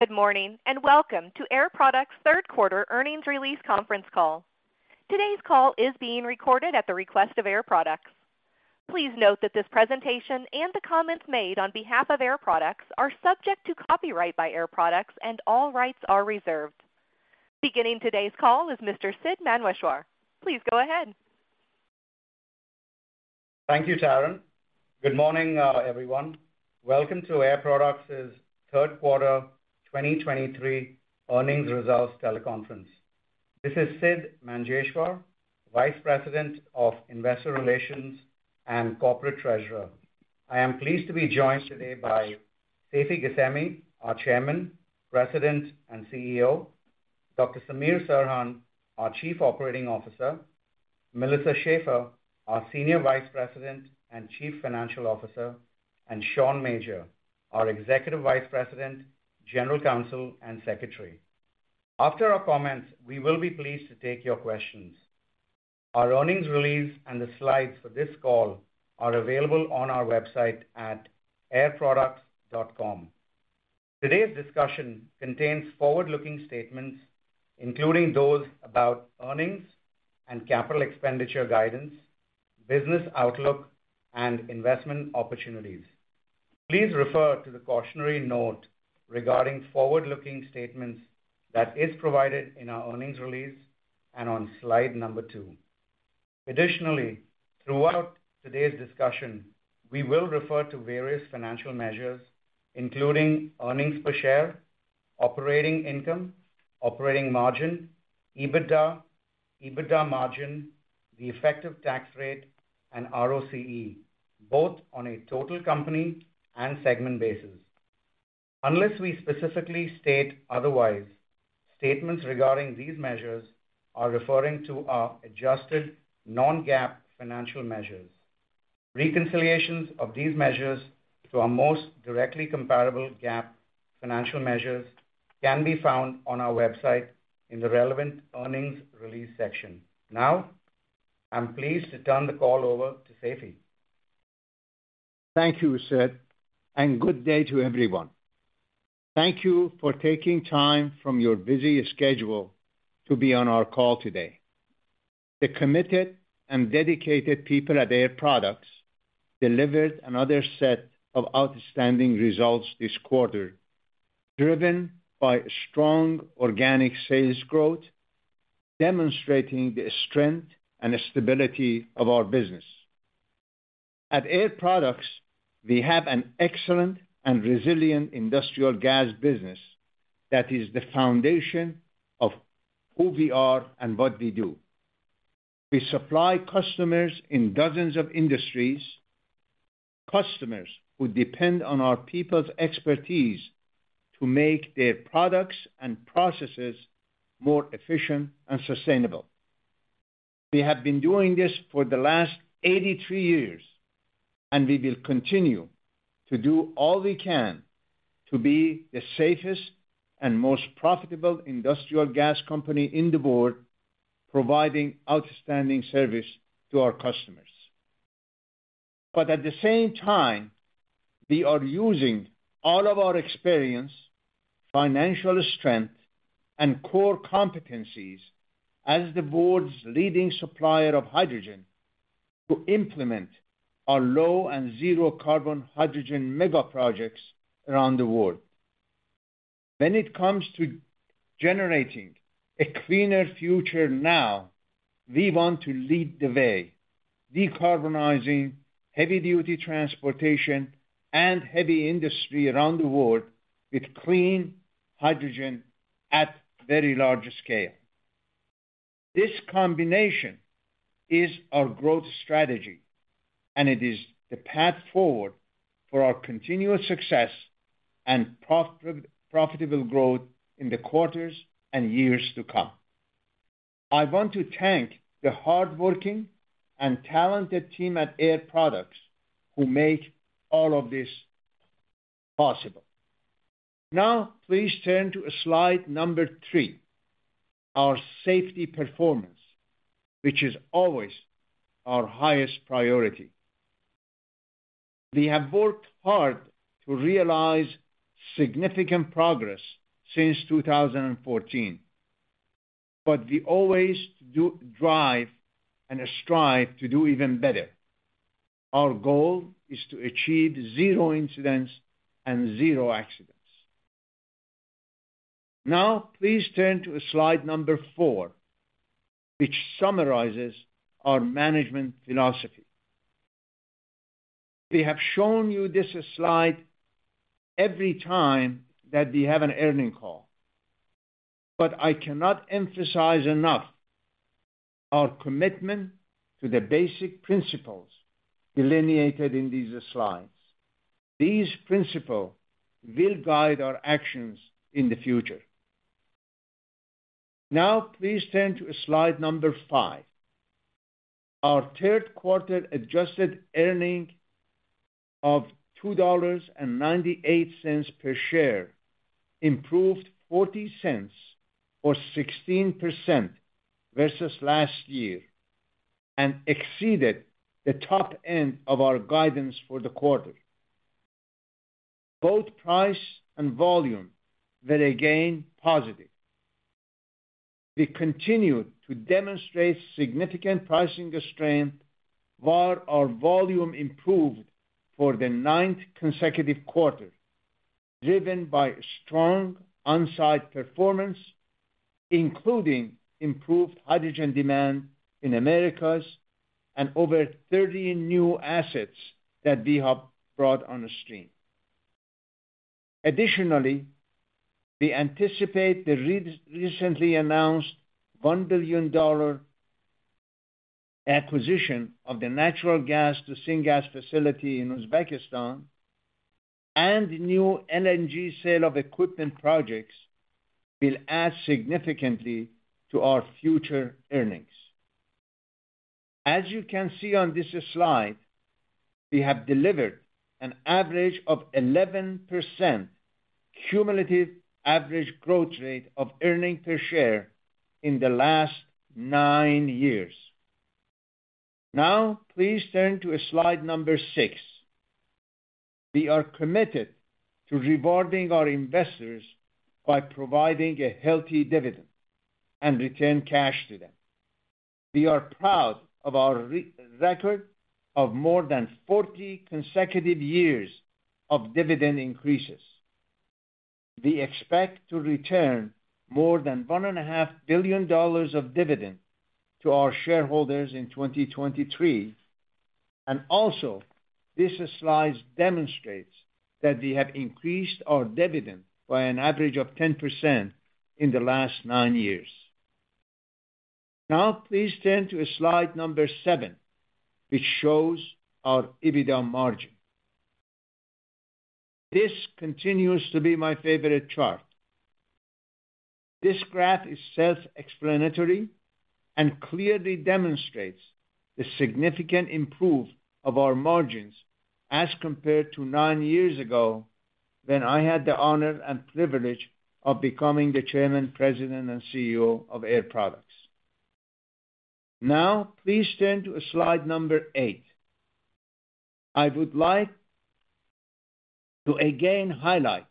Good morning, and welcome to Air Products' third quarter earnings release conference call. Today's call is being recorded at the request of Air Products. Please note that this presentation and the comments made on behalf of Air Products are subject to copyright by Air Products, and all rights are reserved. Beginning today's call is Mr. Sidd Manjeshwar. Please go ahead. Thank you, Taryn. Good morning, everyone. Welcome to Air Products' third quarter 2023 earnings results teleconference. This is Sidd Manjeshwar, Vice President of Investor Relations and Corporate Treasurer. I am pleased to be joined today by Seifi Ghasemi, our Chairman, President, and CEO, Dr. Samir Serhan, our Chief Operating Officer, Melissa Schaeffer, our Senior Vice President and Chief Financial Officer, and Sean Major, our Executive Vice President, General Counsel, and Secretary. After our comments, we will be pleased to take your questions. Our earnings release and the slides for this call are available on our website at airproducts.com. Today's discussion contains forward-looking statements, including those about earnings and capital expenditure guidance, business outlook, and investment opportunities. Please refer to the cautionary note regarding forward-looking statements that is provided in our earnings release and on slide 2. Additionally, throughout today's discussion, we will refer to various financial measures, including earnings per share, operating income, operating margin, EBITDA, EBITDA margin, the effective tax rate, and ROCE, both on a total company and segment basis. Unless we specifically state otherwise, statements regarding these measures are referring to our adjusted non-GAAP financial measures. Reconciliations of these measures to our most directly comparable GAAP financial measures can be found on our website in the relevant earnings release section. Now, I'm pleased to turn the call over to Seifi. Thank you, Sid, and good day to everyone. Thank you for taking time from your busy schedule to be on our call today. The committed and dedicated people at Air Products delivered another set of outstanding results this quarter, driven by strong organic sales growth, demonstrating the strength and stability of our business. At Air Products, we have an excellent and resilient industrial gas business that is the foundation of who we are and what we do. We supply customers in dozens of industries, customers who depend on our people's expertise to make their products and processes more efficient and sustainable. We have been doing this for the last 83 years, and we will continue to do all we can to be the safest and most profitable industrial gas company in the world, providing outstanding service to our customers. At the same time, we are using all of our experience, financial strength, and core competencies as the world's leading supplier of hydrogen to implement our low and zero carbon hydrogen mega projects around the world. When it comes to generating a cleaner future now, we want to lead the way, decarbonizing heavy-duty transportation and heavy industry around the world with clean hydrogen at very large scale. This combination is our growth strategy, and it is the path forward for our continuous success and profitable growth in the quarters and years to come. I want to thank the hardworking and talented team at Air Products who make all of this possible. Please turn to slide 3, our safety performance, which is always our highest priority. We have worked hard to realize significant progress since 2014, we always do drive and strive to do even better. Our goal is to achieve zero incidents and zero accidents. Now, please turn to slide 4, which summarizes our management philosophy. We have shown you this slide every time that we have an earnings call, I cannot emphasize enough our commitment to the basic principles delineated in these slides. These principles will guide our actions in the future. Now, please turn to slide 5. Our third quarter adjusted earnings of $2.98 per share improved $0.40 or 16% versus last year. Exceeded the top end of our guidance for the quarter. Both price and volume were again positive. We continued to demonstrate significant pricing strength, while our volume improved for the 9th consecutive quarter, driven by strong on-site performance, including improved hydrogen demand in Americas and over 30 new assets that we have brought on the stream. Additionally, we anticipate the recently announced $1 billion acquisition of the natural gas to syngas facility in Uzbekistan and new LNG sale of equipment projects will add significantly to our future earnings. As you can see on this slide, we have delivered an average of 11% cumulative average growth rate of earnings per share in the last 9 years. Now, please turn to slide number 6. We are committed to rewarding our investors by providing a healthy dividend and return cash to them. We are proud of our record of more than 40 consecutive years of dividend increases. We expect to return more than $1.5 billion of dividend to our shareholders in 2023. Also, this slide demonstrates that we have increased our dividend by an average of 10% in the last nine years. Please turn to slide 7, which shows our EBITDA margin. This continues to be my favorite chart. This graph is self-explanatory and clearly demonstrates the significant improve of our margins as compared to nine years ago, when I had the honor and privilege of becoming the Chairman, President, and CEO of Air Products. Please turn to slide 8. I would like to again highlight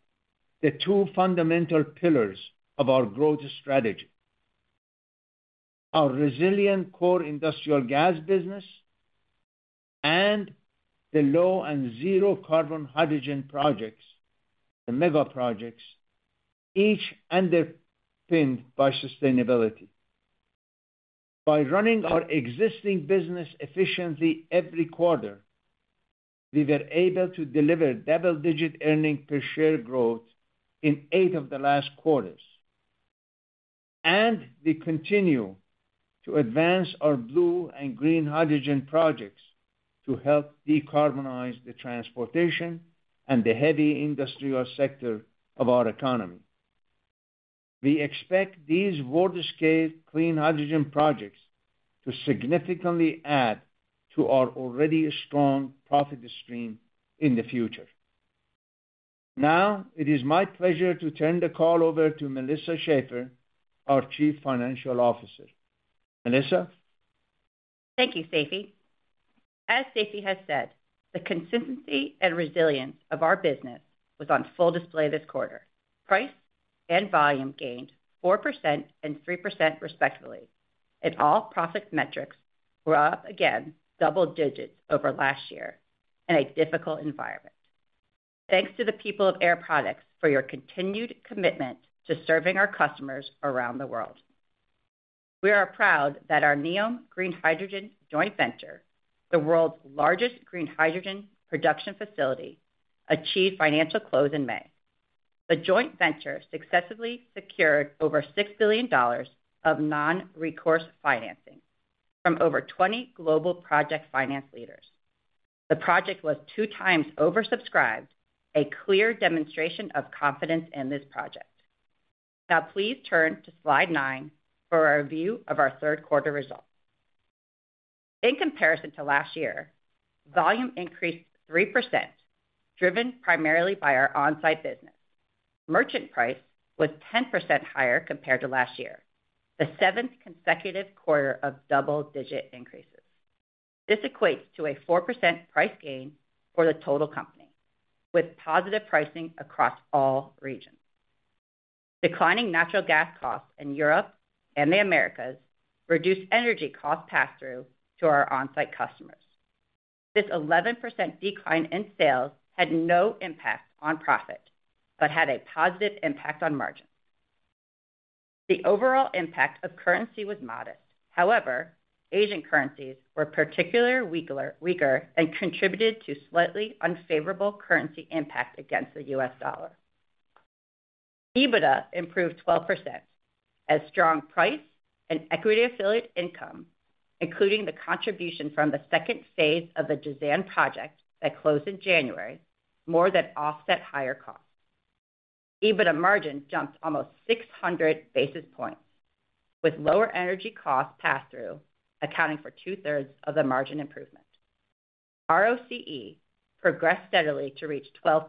the two fundamental pillars of our growth strategy. Our resilient core industrial gas business and the low and zero carbon hydrogen projects, the mega projects, each underpinned by sustainability. By running our existing business efficiently every quarter, we were able to deliver double-digit earnings per share growth in 8 of the last quarters. We continue to advance our blue and green hydrogen projects to help decarbonize the transportation and the heavy industrial sector of our economy. We expect these large-scale clean hydrogen projects to significantly add to our already strong profit stream in the future. Now, it is my pleasure to turn the call over to Melissa Schaeffer, our Chief Financial Officer. Melissa? Thank you, Seifi. As Seifi has said, the consistency and resilience of our business was on full display this quarter. Price and volume gained 4% and 3%, respectively, and all profit metrics were up again, double digits over last year in a difficult environment. Thanks to the people of Air Products for your continued commitment to serving our customers around the world. We are proud that our NEOM Green Hydrogen joint venture, the world's largest green hydrogen production facility, achieved financial close in May. The joint venture successfully secured over $6 billion of non-recourse financing from over 20 global project finance leaders. The project was 2 times oversubscribed, a clear demonstration of confidence in this project. Please turn to slide 9 for a review of our third quarter results. In comparison to last year, volume increased 3%, driven primarily by our on-site business. Merchant price was 10% higher compared to last year, the 7th consecutive quarter of double-digit increases. This equates to a 4% price gain for the total company, with positive pricing across all regions. Declining natural gas costs in Europe and the Americas reduced energy cost passthrough to our on-site customers. This 11% decline in sales had no impact on profit, but had a positive impact on margins. The overall impact of currency was modest. However, Asian currencies were particularly weaker and contributed to slightly unfavorable currency impact against the US dollar. EBITDA improved 12% as strong price and equity affiliate income, including the contribution from the second phase of the Jazan project that closed in January, more than offset higher costs. EBITDA margin jumped almost 600 basis points, with lower energy costs passthrough, accounting for two-thirds of the margin improvement. ROCE progressed steadily to reach 12%,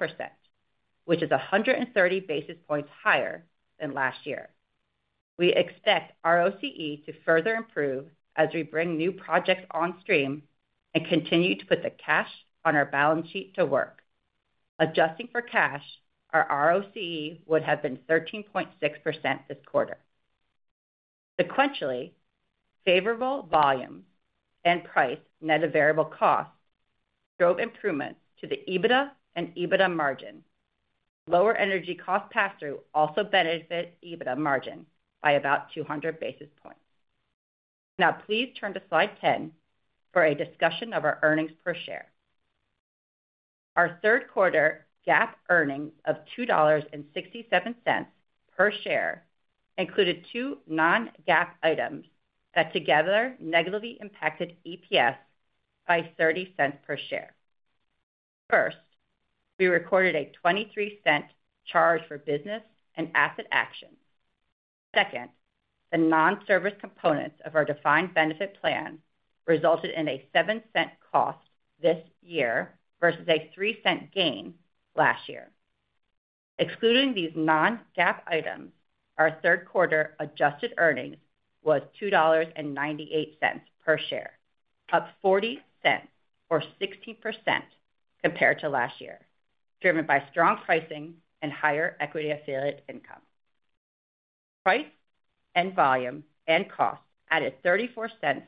which is 130 basis points higher than last year. We expect ROCE to further improve as we bring new projects on stream and continue to put the cash on our balance sheet to work. Adjusting for cash, our ROCE would have been 13.6% this quarter. Sequentially, favorable volume and price net of variable costs drove improvements to the EBITDA and EBITDA margin. Lower energy cost pass-through also benefit EBITDA margin by about 200 basis points. Please turn to Slide 10 for a discussion of our earnings per share. Our third quarter GAAP earnings of $2.67 per share included two non-GAAP items that together negatively impacted EPS by $0.30 per share. First, we recorded a $0.23 charge for business and asset actions. Second, the non-service components of our defined benefit plan resulted in a $0.07 cost this year versus a $0.03 gain last year. Excluding these non-GAAP items, our third quarter adjusted earnings was $2.98 per share, up $0.40 or 60% compared to last year, driven by strong pricing and higher equity affiliate income. Price and volume and cost added $0.34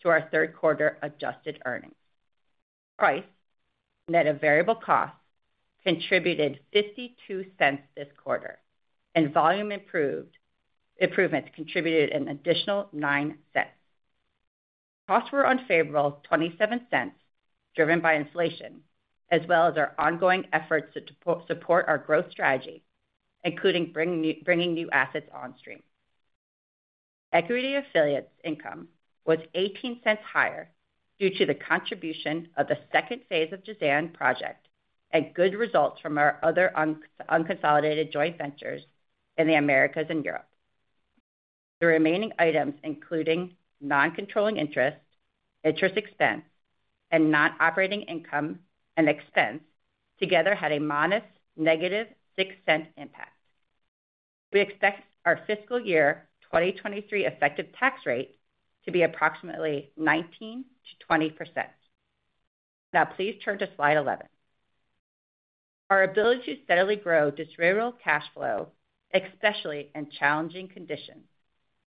to our third quarter adjusted earnings. Price net of variable costs contributed $0.52 this quarter, and volume improvements contributed an additional $0.09. Costs were unfavorable $0.27, driven by inflation, as well as our ongoing efforts to support our growth strategy, including bringing new assets on stream. Equity affiliates income was $0.18 higher due to the contribution of the second phase of Jazan project and good results from our other unconsolidated joint ventures in the Americas and Europe. The remaining items, including non-controlling interest, interest expense, and non-operating income and expense, together, had a modest negative $0.06 impact. We expect our fiscal year 2023 effective tax rate to be approximately 19%-20%. Now, please turn to slide 11. Our ability to steadily grow distributable cash flow, especially in challenging conditions,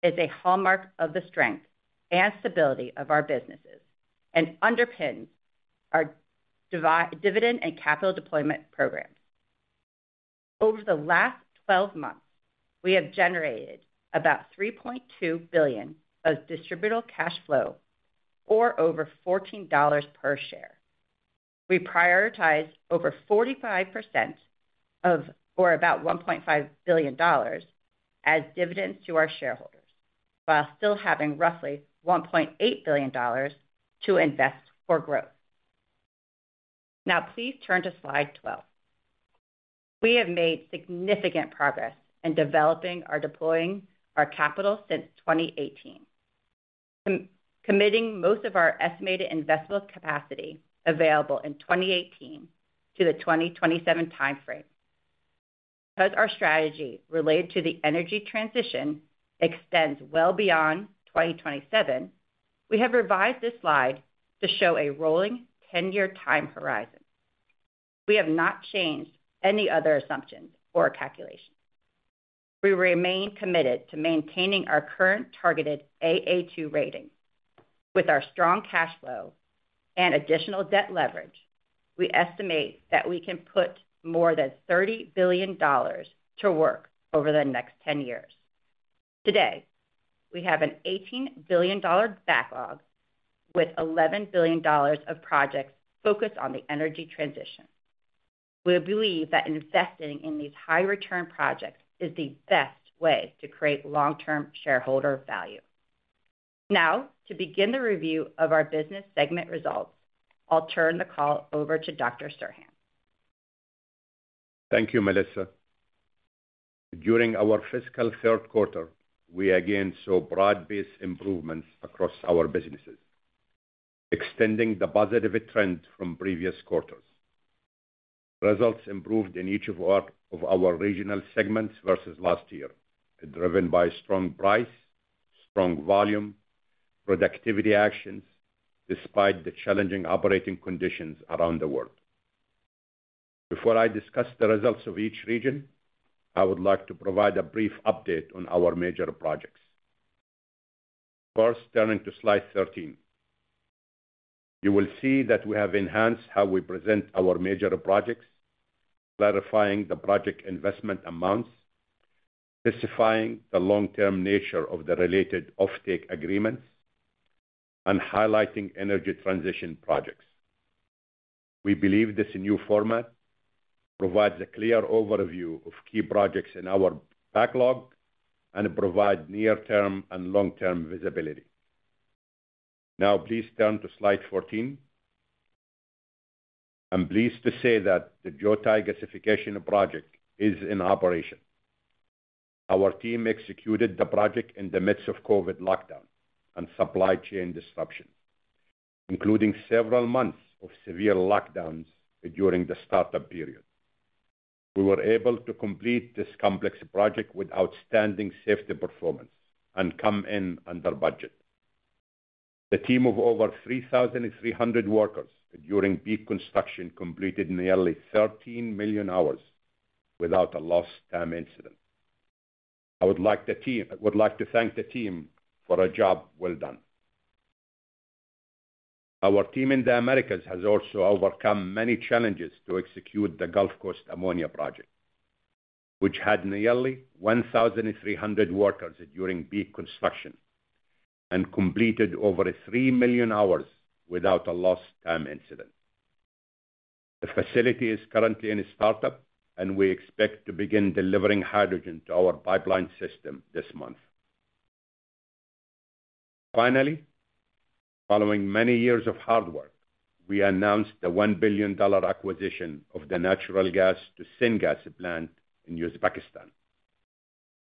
is a hallmark of the strength and stability of our businesses and underpins our dividend and capital deployment program. Over the last 12 months, we have generated about $3.2 billion of distributable cash flow or over $14 per share. We prioritized over 45% of, or about $1.5 billion, as dividends to our shareholders, while still having roughly $1.8 billion to invest for growth. Please turn to slide 12. We have made significant progress in developing or deploying our capital since 2018, committing most of our estimated investable capacity available in 2018 to the 2027 timeframe. Our strategy related to the energy transition extends well beyond 2027, we have revised this slide to show a rolling 10-year time horizon. We have not changed any other assumptions or calculations. We remain committed to maintaining our current targeted AA2 rating. With our strong cash flow and additional debt leverage, we estimate that we can put more than $30 billion to work over the next 10 years. Today, we have an $18 billion backlog, with $11 billion of projects focused on the energy transition. We believe that investing in these high return projects is the best way to create long-term shareholder value. Now, to begin the review of our business segment results, I'll turn the call over to Dr. Serhan. Thank you, Melissa. During our fiscal third quarter, we again saw broad-based improvements across our businesses, extending the positive trend from previous quarters. Results improved in each of our regional segments versus last year, driven by strong price, strong volume, productivity actions, despite the challenging operating conditions around the world. Before I discuss the results of each region, I would like to provide a brief update on our major projects. First, turning to slide 13. You will see that we have enhanced how we present our major projects, clarifying the project investment amounts, specifying the long-term nature of the related offtake agreements, and highlighting energy transition projects. We believe this new format provides a clear overview of key projects in our backlog and provide near-term and long-term visibility. Please turn to slide 14. I'm pleased to say that the Jiutai Gasification Project is in operation. Our team executed the project in the midst of COVID lockdown and supply chain disruption, including several months of severe lockdowns during the startup period. We were able to complete this complex project with outstanding safety performance and come in under budget. The team of over 3,300 workers during peak construction completed nearly 13 million hours without a lost time incident. I would like to thank the team for a job well done. Our team in the Americas has also overcome many challenges to execute the Gulf Coast Ammonia Project, which had nearly 1,300 workers during peak construction and completed over 3 million hours without a lost time incident. The facility is currently in startup, and we expect to begin delivering hydrogen to our pipeline system this month. Finally, following many years of hard work, we announced the $1 billion acquisition of the natural gas to syngas plant in Uzbekistan,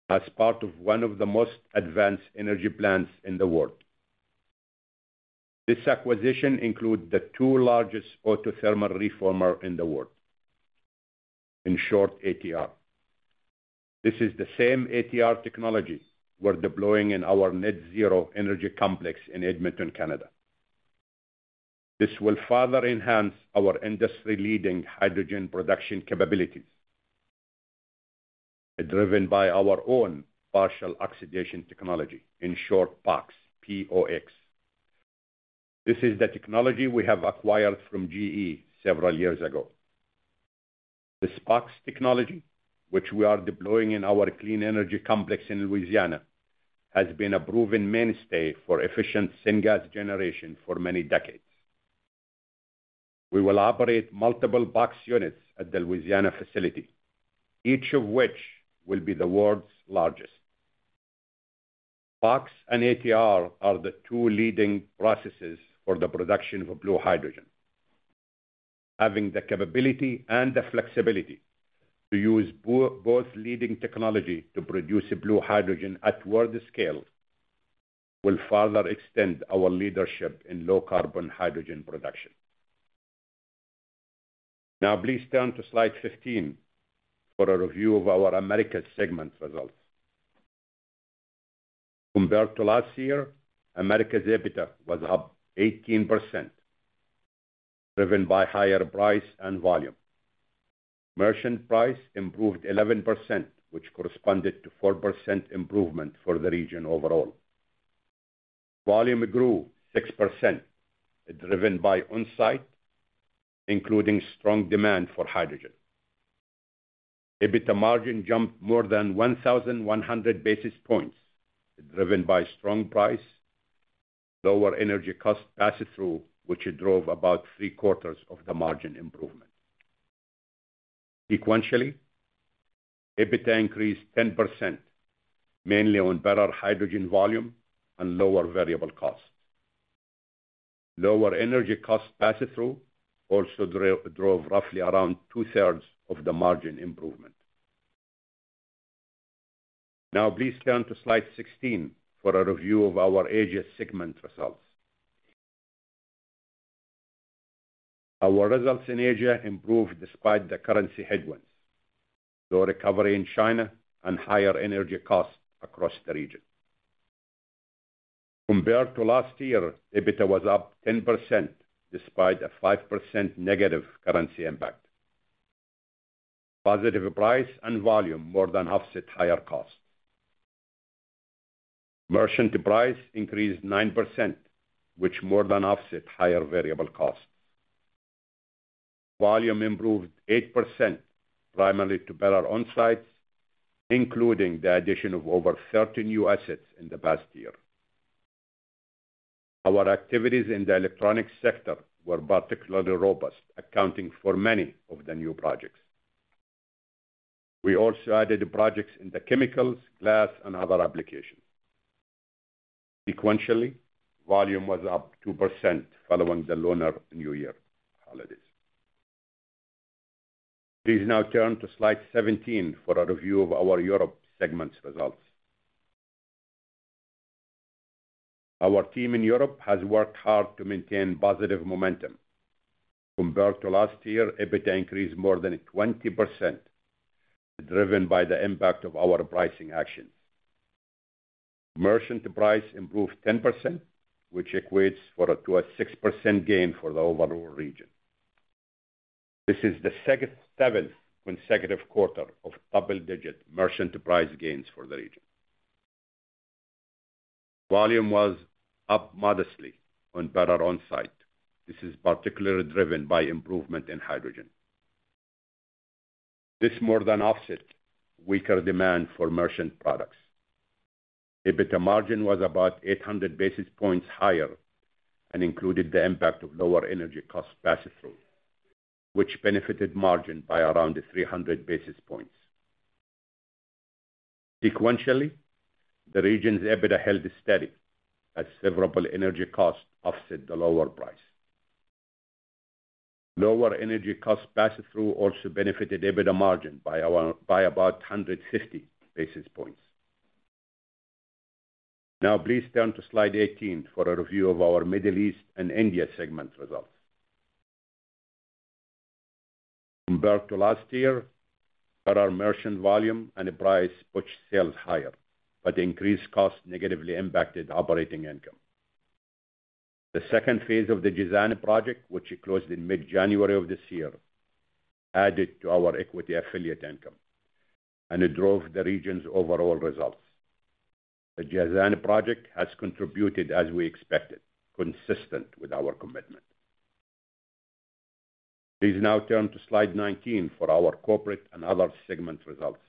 as part of one of the most advanced energy plants in the world. This acquisition includes the 2 largest autothermal reformer in the world, in short, ATR. This is the same ATR technology we're deploying in our net zero energy complex in Edmonton, Canada. This will further enhance our industry-leading hydrogen production capabilities, driven by our own partial oxidation technology. In short, POX, P-O-X. This is the technology we have acquired from GE several years ago. This POX technology, which we are deploying in our clean energy complex in Louisiana, has been a proven mainstay for efficient syngas generation for many decades. We will operate multiple POX units at the Louisiana facility, each of which will be the world's largest. POX and ATR are the two leading processes for the production of blue hydrogen. Having the capability and the flexibility to use both leading technology to produce blue hydrogen at world scale will further extend our leadership in low-carbon hydrogen production. Please turn to slide 15 for a review of our Americas segment results. Compared to last year, Americas EBITDA was up 18%, driven by higher price and volume. Merchant price improved 11%, which corresponded to 4% improvement for the region overall. Volume grew 6%, driven by on-site, including strong demand for hydrogen. EBITDA margin jumped more than 1,100 basis points, driven by strong price, lower energy cost pass-through, which drove about three-quarters of the margin improvement. Sequentially, EBITDA increased 10%, mainly on better hydrogen volume and lower variable costs. Lower energy costs pass-through also drove roughly around two-thirds of the margin improvement. Now, please turn to Slide 16 for a review of our Asia segment results. Our results in Asia improved despite the currency headwinds, slow recovery in China, and higher energy costs across the region. Compared to last year, EBITDA was up 10%, despite a 5% negative currency impact. Positive price and volume more than offset higher costs. Merchant price increased 9%, which more than offset higher variable costs. Volume improved 8%, primarily to better on-sites, including the addition of over 30 new assets in the past year. Our activities in the electronic sector were particularly robust, accounting for many of the new projects. We also added projects in the chemicals, glass, and other applications. Sequentially, volume was up 2% following the Lunar New Year holidays. Please now turn to slide 17 for a review of our Europe segments results. Our team in Europe has worked hard to maintain positive momentum. Compared to last year, EBITDA increased more than 20%, driven by the impact of our pricing actions. Merchant price improved 10%, which equates for a to a 6% gain for the overall region. This is the second seventh consecutive quarter of double-digit merchant price gains for the region. Volume was up modestly on better on-site. This is particularly driven by improvement in hydrogen. This more than offset weaker demand for merchant products. EBITDA margin was about 800 basis points higher and included the impact of lower energy cost pass-through, which benefited margin by around 300 basis points. Sequentially, the region's EBITDA held steady as favorable energy costs offset the lower price. Lower energy cost pass-through also benefited EBITDA margin by about 150 basis points. Please turn to Slide 18 for a review of our Middle East and India segment results. Compared to last year, our merchant volume and the price pushed sales higher, but increased costs negatively impacted operating income. The second phase of the Jazan project, which closed in mid-January of this year, added to our equity affiliate income, and it drove the region's overall results. The Jazan project has contributed as we expected, consistent with our commitment. Please now turn to Slide 19 for our corporate and other segment results.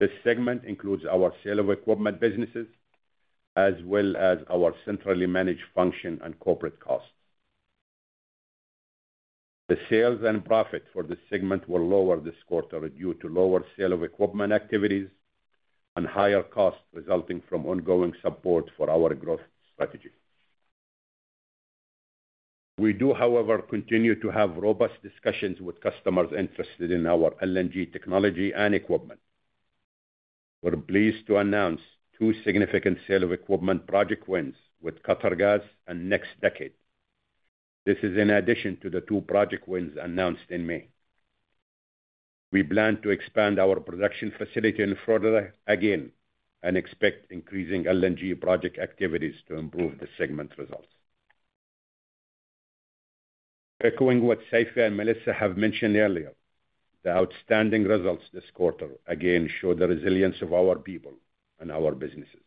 This segment includes our sale of equipment businesses, as well as our centrally managed function and corporate costs. The sales and profit for this segment were lower this quarter due to lower sale of equipment activities and higher costs resulting from ongoing support for our growth strategy. We do, however, continue to have robust discussions with customers interested in our LNG technology and equipment. We're pleased to announce two significant sale of equipment project wins with Qatargas and NextDecade. This is in addition to the two project wins announced in May. We plan to expand our production facility in Florida again and expect increasing LNG project activities to improve the segment's results. Echoing what Seifi and Melissa have mentioned earlier, the outstanding results this quarter again show the resilience of our people and our businesses.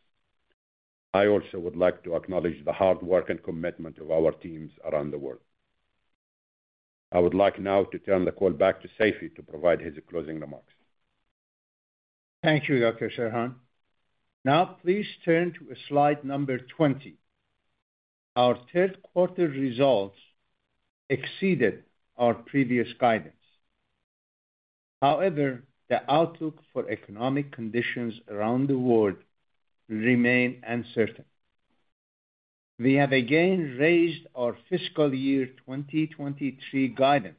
I also would like to acknowledge the hard work and commitment of our teams around the world. I would like now to turn the call back to Seifi to provide his closing remarks. Thank you, Dr. Serhan. Please turn to slide number 20. Our third quarter results exceeded our previous guidance. The outlook for economic conditions around the world remain uncertain. We have again raised our fiscal year 2023 guidance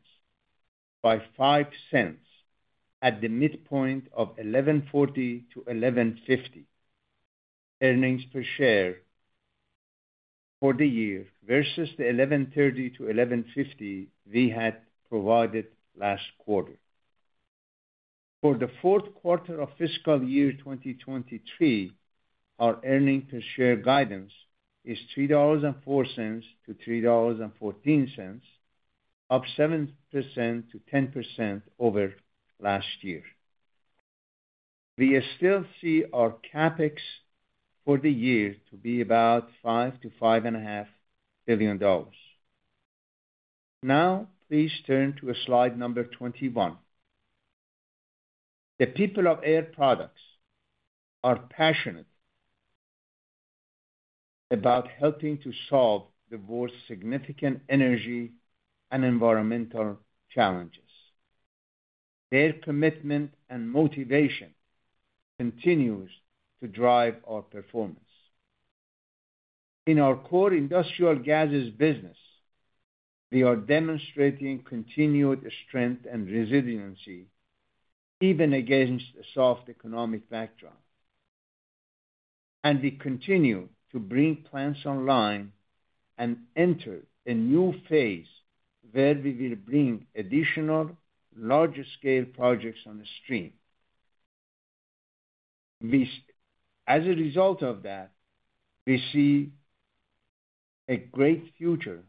by $0.05 at the midpoint of $11.40-$11.50. EPS for the year versus the $11.30-$11.50 we had provided last quarter. For the fourth quarter of fiscal year 2023, our EPS guidance is $3.04-$3.14, up 7%-10% over last year. We still see our CapEx for the year to be about $5 billion-$5.5 billion. Please turn to slide number 21. The people of Air Products are passionate about helping to solve the world's significant energy and environmental challenges. Their commitment and motivation continues to drive our performance. In our core industrial gases business, we are demonstrating continued strength and resiliency, even against a soft economic backdrop. We continue to bring plants online and enter a new phase where we will bring additional larger scale projects on the stream. As a result of that, we see a great future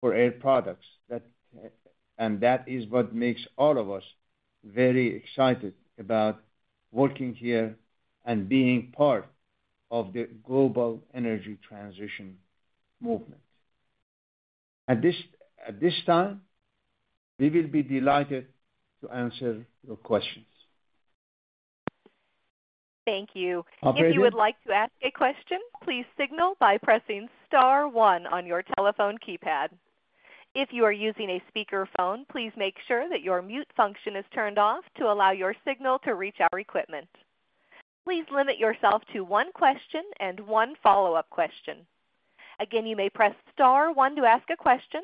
for Air Products, that, and that is what makes all of us very excited about working here and being part of the global energy transition movement. At this, at this time, we will be delighted to answer your questions. Thank you. Operator? If you would like to ask a question, please signal by pressing star 1 on your telephone keypad. If you are using a speakerphone, please make sure that your mute function is turned off to allow your signal to reach our equipment. Please limit yourself to 1 question and 1 follow-up question. Again, you may press star 1 to ask a question.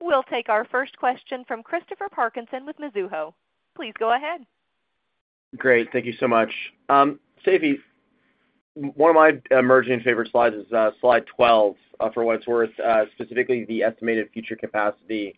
We'll take our first question from Christopher Parkinson with Mizuho. Please go ahead. Great. Thank you so much. Seifi, one of my emerging favorite slides is, slide 12, for what it's worth, specifically the estimated future capacity,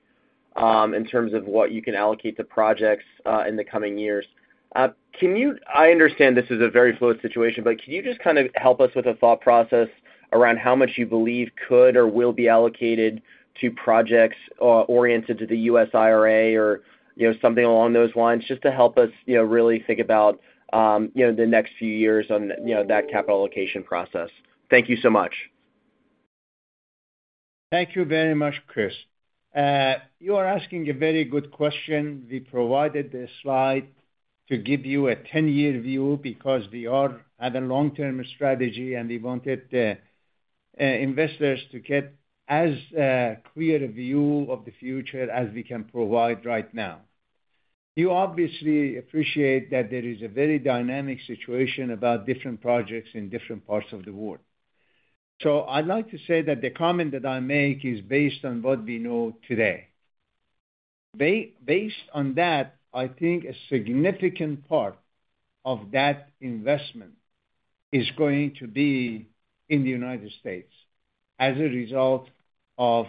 in terms of what you can allocate to projects, in the coming years. I understand this is a very fluid situation, but can you just kind of help us with a thought process around how much you believe could or will be allocated to projects, oriented to the U.S. IRA or, you know, something along those lines, just to help us, you know, really think about, you know, the next few years on, you know, that capital allocation process? Thank you so much. Thank you very much, Chris. You are asking a very good question. We provided this slide to give you a 10-year view because we are at a long-term strategy, and we wanted the investors to get as clear a view of the future as we can provide right now. You obviously appreciate that there is a very dynamic situation about different projects in different parts of the world. I'd like to say that the comment that I make is based on what we know today. Based on that, I think a significant part of that investment is going to be in the United States as a result of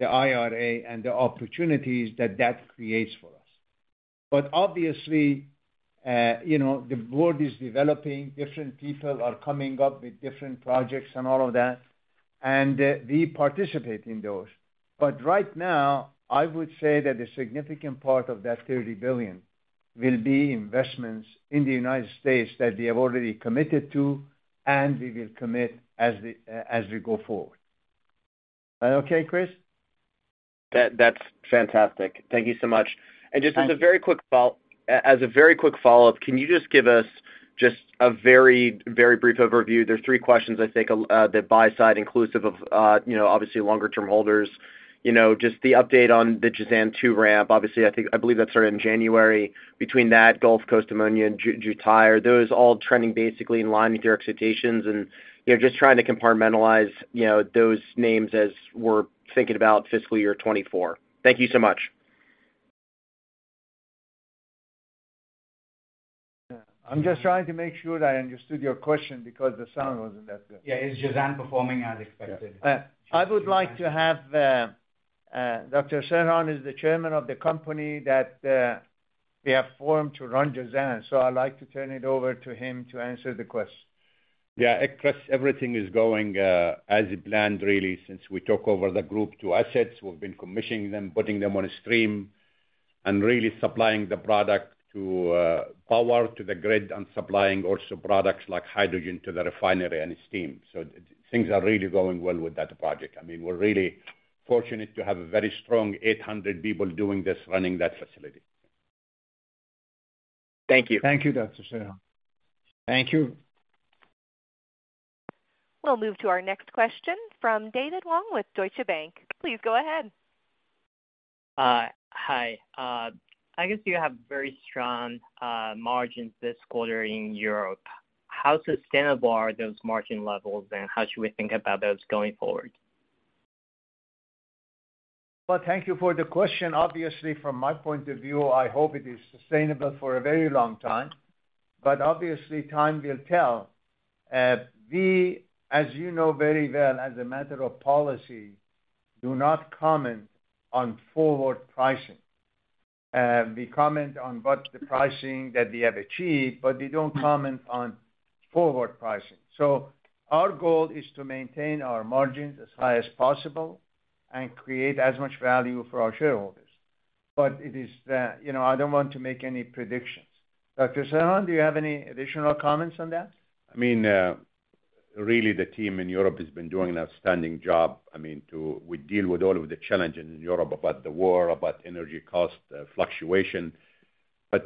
the IRA and the opportunities that that creates for us. Obviously, you know, the board is developing, different people are coming up with different projects and all of that, and we participate in those. Right now, I would say that a significant part of that $30 billion will be investments in the United States that we have already committed to, and we will commit as the, as we go forward. Is that okay, Chris? That, that's fantastic. Thank you so much. Thanks. Just as a very quick follow-up, as a very quick follow-up, can you just give us just a very, very brief overview? There are 3 questions I think, the buy side, inclusive of, you know, obviously longer-term holders. You know, just the update on the Jazan 2 ramp. Obviously, I believe that started in January. Between that, Gulf Coast Ammonia and Jubail, those all trending basically in line with your expectations, and, you know, just trying to compartmentalize, you know, those names as we're thinking about fiscal year 2024. Thank you so much. I'm just trying to make sure that I understood your question because the sound wasn't that good. Yeah, is Jazan performing as expected? I would like to have Dr. Serhan is the chairman of the company, that we have formed to run Jazan. I'd like to turn it over to him to answer the question. Yeah, Chris, everything is going as planned, really, since we took over the group 2 assets. We've been commissioning them, putting them on a stream and really supplying the product to power to the grid and supplying also products like hydrogen to the refinery and steam. Things are really going well with that project. I mean, we're really fortunate to have a very strong 800 people doing this, running that facility. Thank you. Thank you, Dr. Serhan. Thank you. We'll move to our next question from David Wang with Deutsche Bank. Please go ahead. Hi. I guess you have very strong margins this quarter in Europe. How sustainable are those margin levels, and how should we think about those going forward? Well, thank you for the question. Obviously, from my point of view, I hope it is sustainable for a very long time, but obviously time will tell. We, as you know very well, as a matter of policy, do not comment on forward pricing. We comment on what's the pricing that we have achieved, but we don't comment on forward pricing. Our goal is to maintain our margins as high as possible and create as much value for our shareholders. It is, you know, I don't want to make any predictions. Dr. Serhan, do you have any additional comments on that? I mean, really, the team in Europe has been doing an outstanding job. I mean, We deal with all of the challenges in Europe about the war, about energy cost fluctuation.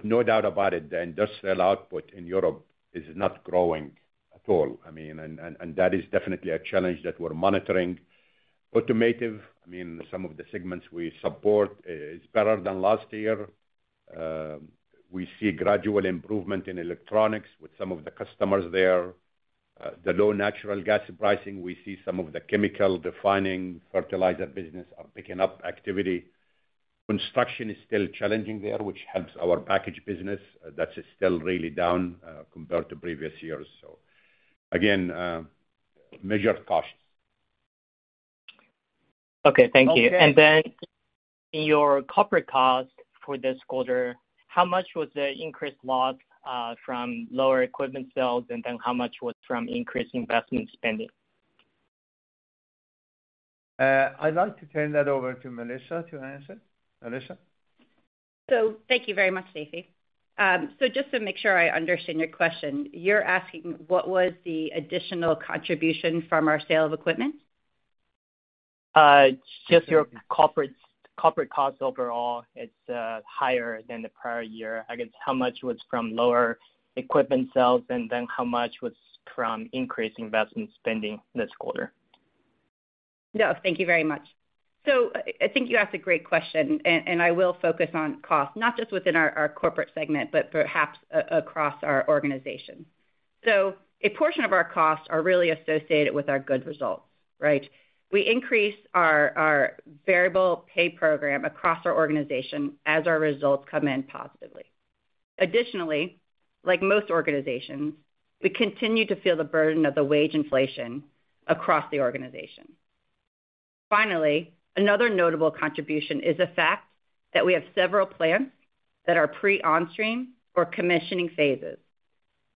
No doubt about it, the industrial output in Europe is not growing at all. I mean, that is definitely a challenge that we're monitoring. Automotive, I mean, some of the segments we support, is better than last year. We see gradual improvement in electronics with some of the customers there. The low natural gas pricing, we see some of the chemical refining, fertilizer business are picking up activity. Construction is still challenging there, which helps our package business. That is still really down, compared to previous years. Again, measured costs. Okay, thank you. Okay. Then in your corporate cost for this quarter, how much was the increased loss from lower equipment sales, and then how much was from increased investment spending? I'd like to turn that over to Melissa to answer. Melissa? Thank you very much, Seifi. Just to make sure I understand your question, you're asking what was the additional contribution from our sale of equipment? Just your corporate, corporate costs overall, it's higher than the prior year. I guess, how much was from lower equipment sales, and then how much was from increased investment spending this quarter? No, thank you very much. I think you asked a great question, and I will focus on cost, not just within our corporate segment, but perhaps across our organization. A portion of our costs are really associated with our good results, right? We increase our variable pay program across our organization as our results come in positively. Additionally, like most organizations, we continue to feel the burden of the wage inflation across the organization. Finally, another notable contribution is the fact that we have several plants that are pre-onstream or commissioning phases.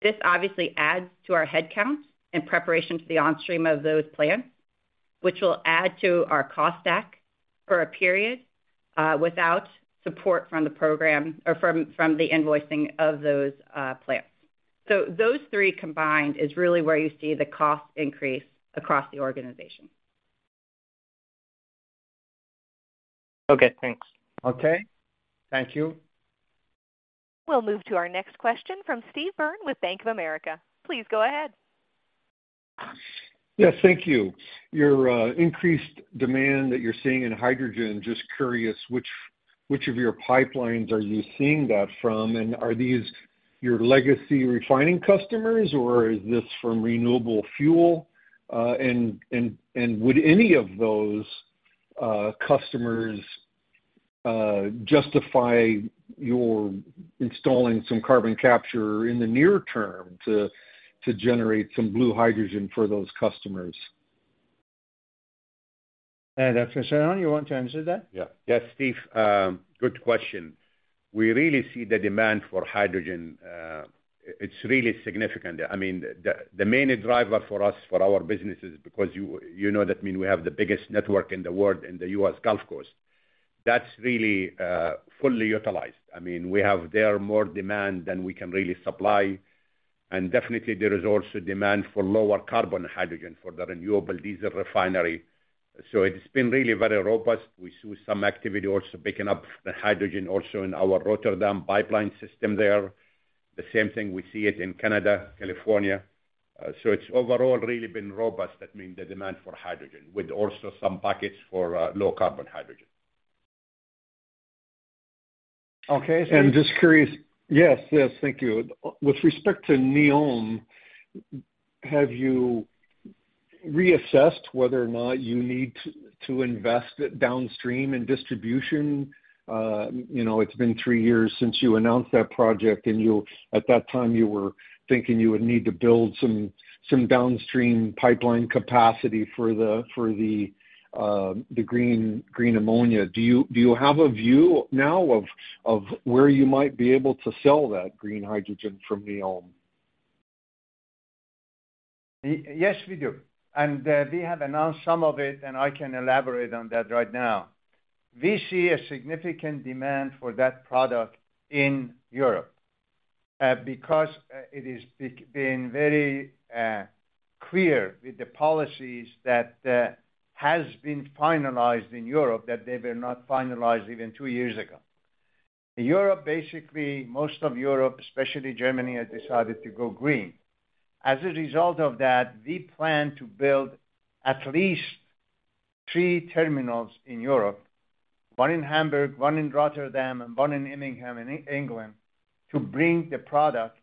This obviously adds to our headcount in preparation for the onstream of those plants, which will add to our cost stack for a period, without support from the program or from the invoicing of those plants. Those 3 combined is really where you see the cost increase across the organization. Okay, thanks. Okay, thank you. We'll move to our next question from Steve Byrne with Bank of America. Please go ahead. Yes, thank you. Your increased demand that you're seeing in hydrogen, just curious, which, which of your pipelines are you seeing that from? Are these your legacy refining customers, or is this from renewable fuel? Would any of those customers justify your installing some carbon capture in the near term to, to generate some blue hydrogen for those customers? Dr. Serhan, you want to answer that? Yeah. Yes, Steve, good question. We really see the demand for hydrogen. It's really significant. I mean, the, the main driver for us, for our business is because you, you know, that mean we have the biggest network in the world, in the US Gulf Coast. That's really fully utilized. I mean, we have there more demand than we can really supply, and definitely there is also demand for lower carbon hydrogen for the renewable diesel refinery. It's been really very robust. We see some activity also picking up the hydrogen also in our Rotterdam pipeline system there. The same thing, we see it in Canada, California. It's overall really been robust. That means the demand for hydrogen, with also some pockets for low carbon hydrogen. Okay. Just curious... Yes, yes. Thank you. With respect to Neom, have you reassessed whether or not you need to, to invest downstream in distribution? You know, it's been 3 years since you announced that project, and you at that time, you were thinking you would need to build some, some downstream pipeline capacity for the, for the, the green, green ammonia. Do you, do you have a view now of, of where you might be able to sell that green hydrogen from Neom? Yes, we do. we have announced some of it, and I can elaborate on that right now. We see a significant demand for that product in Europe, because it is being very clear with the policies that has been finalized in Europe that they were not finalized even 2 years ago. Europe, basically, most of Europe, especially Germany, has decided to go green. As a result of that, we plan to build at least 3 terminals in Europe, 1 in Hamburg, 1 in Rotterdam, and 1 in Immingham, in England, to bring the product,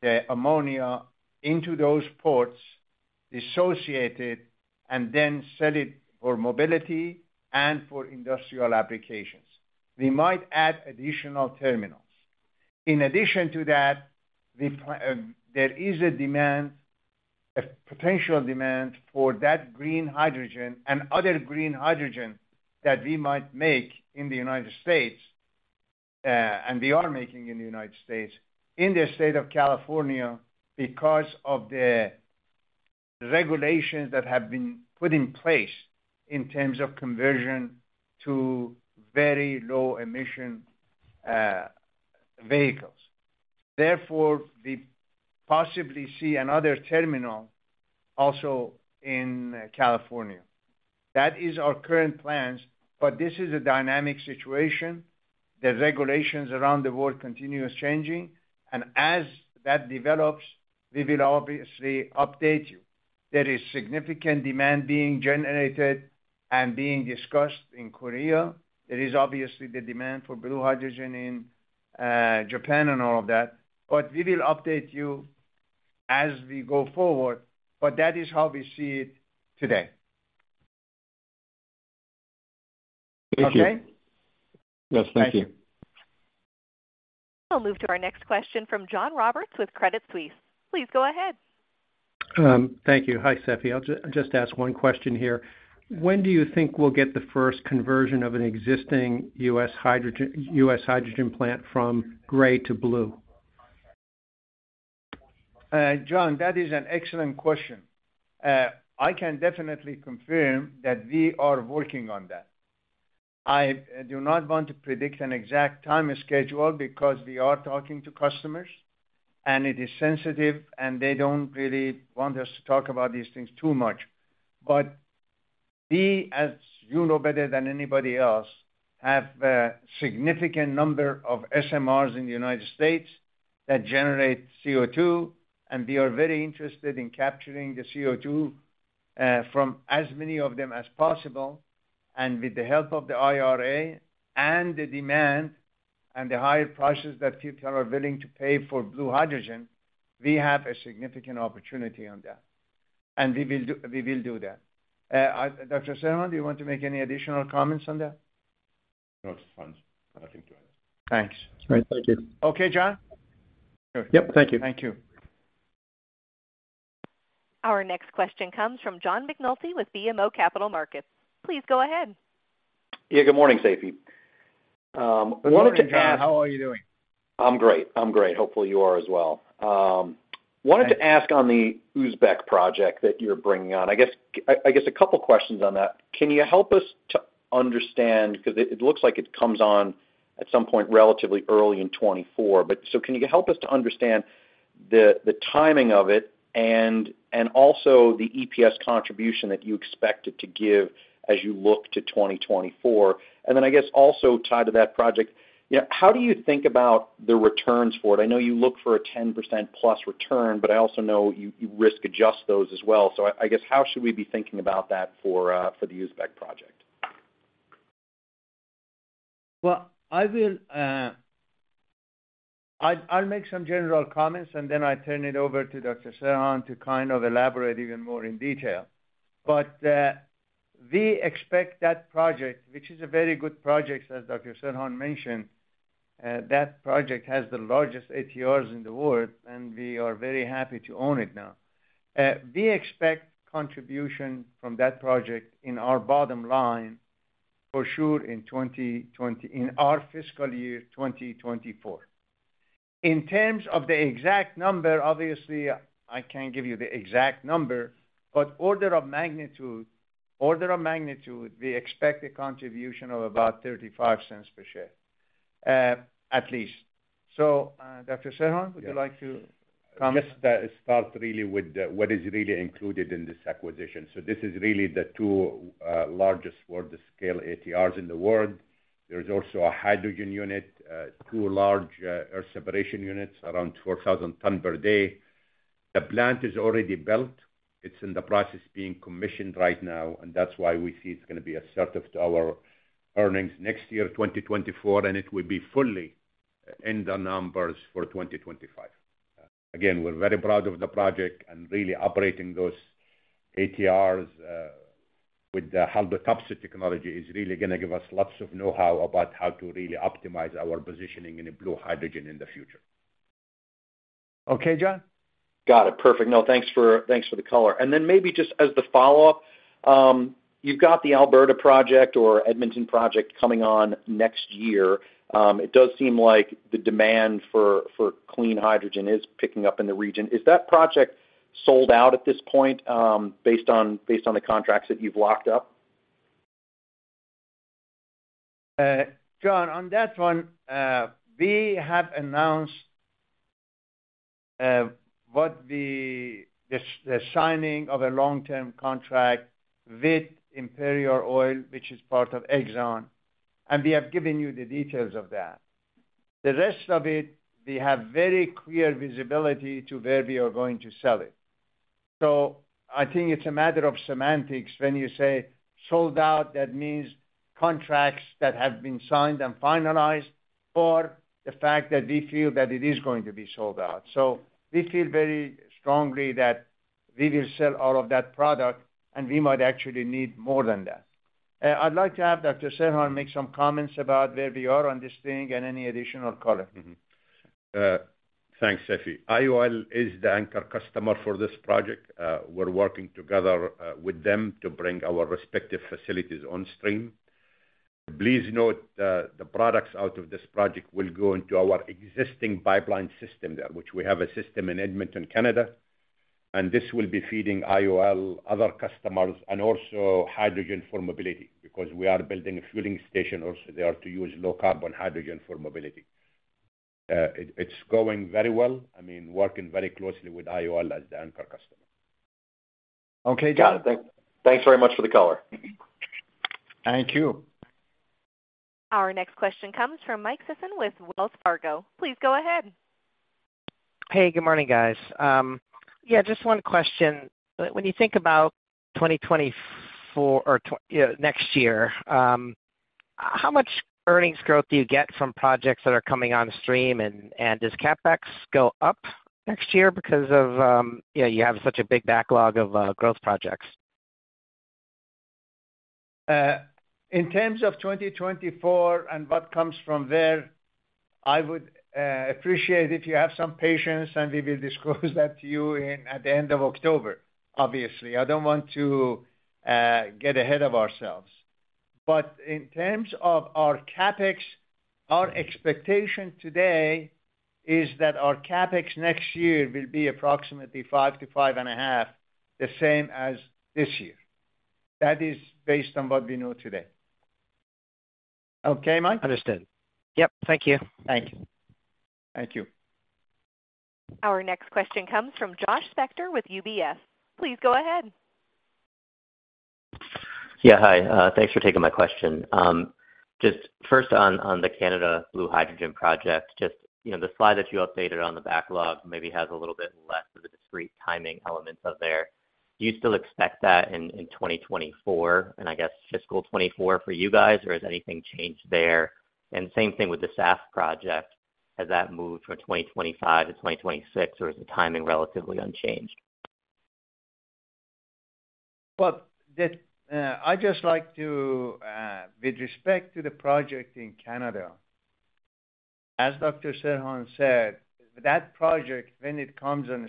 the ammonia, into those ports, dissociate it, and then sell it for mobility and for industrial applications. We might add additional terminals. In addition to that, we there is a demand, a potential demand for that green hydrogen and other green hydrogen that we might make in the United States, and we are making in the United States, in the State of California, because of the regulations that have been put in place in terms of conversion to very low emission, vehicles. Therefore, we possibly see another terminal also in California. That is our current plans, but this is a dynamic situation. The regulations around the world continue changing, and as that develops, we will obviously update you. There is significant demand being generated and being discussed in Korea. There is obviously the demand for blue hydrogen in Japan and all of that. We will update you as we go forward, but that is how we see it today. Thank you. Okay? Yes, thank you. We'll move to our next question from John Roberts with Credit Suisse. Please go ahead. thank you. Hi, Seifi. I'll just ask one question here. When do you think we'll get the first conversion of an existing U.S. hydrogen, U.S. hydrogen plant from gray to blue? John, that is an excellent question. I can definitely confirm that we are working on that. I do not want to predict an exact time schedule because we are talking to customers, and it is sensitive, and they don't really want us to talk about these things too much. We, as you know better than anybody else, have a significant number of SMRs in the United States that generate CO2, and we are very interested in capturing the CO2 from as many of them as possible, with the help of the IRA and the demand and the higher prices that people are willing to pay for blue hydrogen, we have a significant opportunity on that, and we will do, we will do that. Dr. Serhan, do you want to make any additional comments on that? No, it's fine. Nothing to add. Thanks. All right, thank you. Okay, John? Yep, thank you. Thank you. Our next question comes from John McNulty with BMO Capital Markets. Please go ahead. Yeah, good morning, Seifi. wanted to ask- Good morning, John. How are you doing? I'm great. I'm great. Hopefully, you are as well. Wanted to ask on the Uzbek project that you're bringing on. A couple questions on that. Can you help us to understand... Because it, it looks like it comes on at some point relatively early in 2024. Can you help us to understand the timing of it and also the EPS contribution that you expect it to give as you look to 2024? Also tied to that project, how do you think about the returns for it? I know you look for a 10%+ return, but I also know you risk adjust those as well. How should we be thinking about that for the Uzbek project? Well, I will, I'll make some general comments, and then I turn it over to Dr. Serhan to kind of elaborate even more in detail. We expect that project, which is a very good project, as Dr. Serhan mentioned, that project has the largest ATRs in the world, and we are very happy to own it now. We expect contribution from that project in our bottom line, for sure, in our fiscal year 2024. In terms of the exact number, obviously, I can't give you the exact number, but order of magnitude, order of magnitude, we expect a contribution of about $0.35 per share, at least. Dr. Serhan, would you like to comment? Start really with what is really included in this acquisition. This is really the 2 largest world scale ATRs in the world. There is also a hydrogen unit, 2 large air separation units, around 4,000 tons per day. The plant is already built. It's in the process being commissioned right now, and that's why we see it's gonna be assertive to our earnings next year, 2024, and it will be fully in the numbers for 2025. We're very proud of the project and really operating those ATRs with the Haldor Topsoe technology is really gonna give us lots of know-how about how to really optimize our positioning in a blue hydrogen in the future. Okay, John? Got it. Perfect. No, thanks for, thanks for the color. Then maybe just as the follow-up, you've got the Alberta project or Edmonton project coming on next year. It does seem like the demand for, for clean hydrogen is picking up in the region. Is that project sold out at this point, based on, based on the contracts that you've locked up? John, on that one, we have announced what the signing of a long-term contract with Imperial Oil, which is part of Exxon, and we have given you the details of that. The rest of it, we have very clear visibility to where we are going to sell it. I think it's a matter of semantics when you say sold out, that means contracts that have been signed and finalized, or the fact that we feel that it is going to be sold out. We feel very strongly that we will sell all of that product, and we might actually need more than that. I'd like to have Dr. Serhan make some comments about where we are on this thing and any additional color. Mm-hmm. Thanks, Seifi. IOL is the anchor customer for this project. We're working together with them to bring our respective facilities on stream. Please note, the products out of this project will go into our existing pipeline system there, which we have a system in Edmonton, Canada. This will be feeding IOL, other customers, and also hydrogen for mobility, because we are building a fueling station also there to use low-carbon hydrogen for mobility. It's going very well. I mean, working very closely with IOL as the anchor customer. Okay, got it. Thanks very much for the color. Thank you. Our next question comes from Michael Sisson with Wells Fargo. Please go ahead. Hey, good morning, guys. Yeah, just 1 question. When, when you think about 2024 or Yeah, next year, how much earnings growth do you get from projects that are coming on stream? Does CapEx go up next year because of, yeah, you have such a big backlog of growth projects? In terms of 2024 and what comes from there, I would appreciate if you have some patience, and we will disclose that to you in, at the end of October, obviously. I don't want to get ahead of ourselves. In terms of our CapEx, our expectation today is that our CapEx next year will be approximately $5 billion to $5.5 billion, the same as this year. That is based on what we know today. Okay, Mike? Understood. Yep, thank you. Thank you. Thank you. Our next question comes from Josh Spector with UBS. Please go ahead. Yeah, hi. Thanks for taking my question. Just first on, on the Canada Blue Hydrogen project, just, you know, the slide that you updated on the backlog maybe has a little bit less of the discrete timing elements out there. Do you still expect that in, in 2024 and I guess fiscal 2024 for you guys, or has anything changed there? Same thing with the SAF project. Has that moved from 2025 to 2026, or is the timing relatively unchanged? Well, the, I'd just like to, with respect to the project in Canada, as Dr. Serhan said, that project, when it comes on the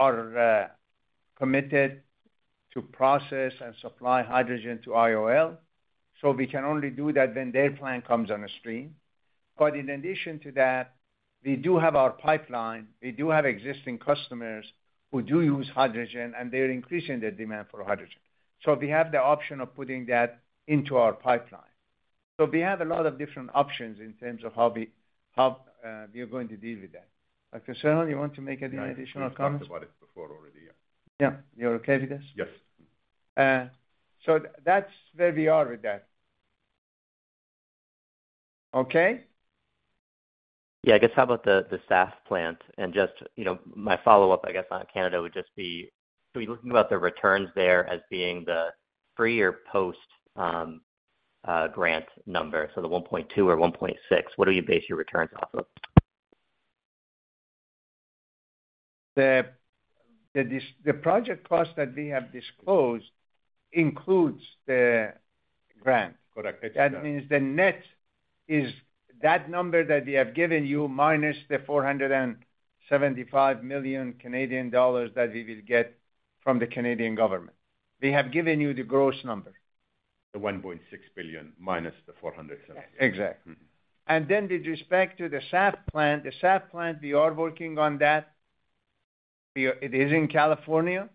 stream, we are committed to process and supply hydrogen to IOL, so we can only do that when their plant comes on the stream. In addition to that, we do have our pipeline, we do have existing customers who do use hydrogen, and they're increasing their demand for hydrogen. We have the option of putting that into our pipeline. We have a lot of different options in terms of how we, how, we are going to deal with that. Dr. Serhan, you want to make any additional comments? We talked about it before already, yeah. Yeah. You're okay with this? Yes. That's where we are with that. Okay? Yeah, I guess how about the SAF plant? Just, you know, my follow-up, I guess, on Canada would just be, so are you looking about the returns there as being the pre or post, grant number, so the $1.2 or $1.6? What do you base your returns off of? The project cost that we have disclosed includes the grant. Correct. That means the net is that number that we have given you, minus the 475 million Canadian dollars that we will get from the Canadian government. We have given you the gross number. The $1.6 billion minus the $470. Exactly. Mm-hmm. With respect to the SAF plant, the SAF plant, we are working on that. It is in California,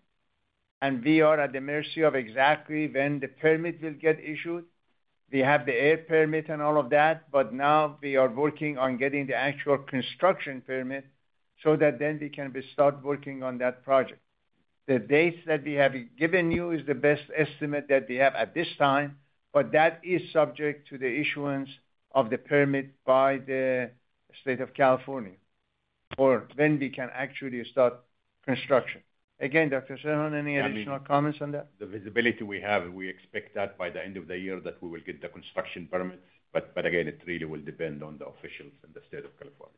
and we are at the mercy of exactly when the permit will get issued. We have the air permit and all of that, now we are working on getting the actual construction permit so that then we can be start working on that project. The dates that we have given you is the best estimate that we have at this time, that is subject to the issuance of the permit by the State of California, for when we can actually start construction. Again, Dr. Serhan, any additional comments on that? The visibility we have, we expect that by the end of the year that we will get the construction permit. Again, it really will depend on the officials in the State of California.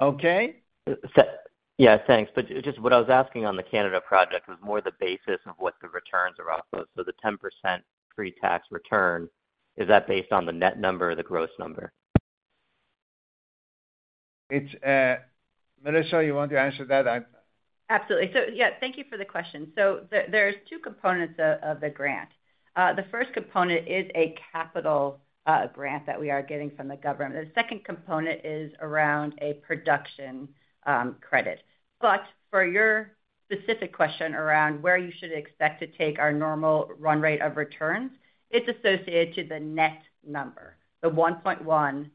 Okay. yeah, thanks. Just what I was asking on the Canada project was more the basis of what the returns are off of. The 10% pre-tax return, is that based on the net number or the gross number? It's, Melissa, you want to answer that? Absolutely. Yeah, thank you for the question. There, there's two components of the grant. The first component is a capital grant that we are getting from the government. The second component is around a production credit, but for your specific question around where you should expect to take our normal run rate of returns, it's associated to the net number, the 1.1,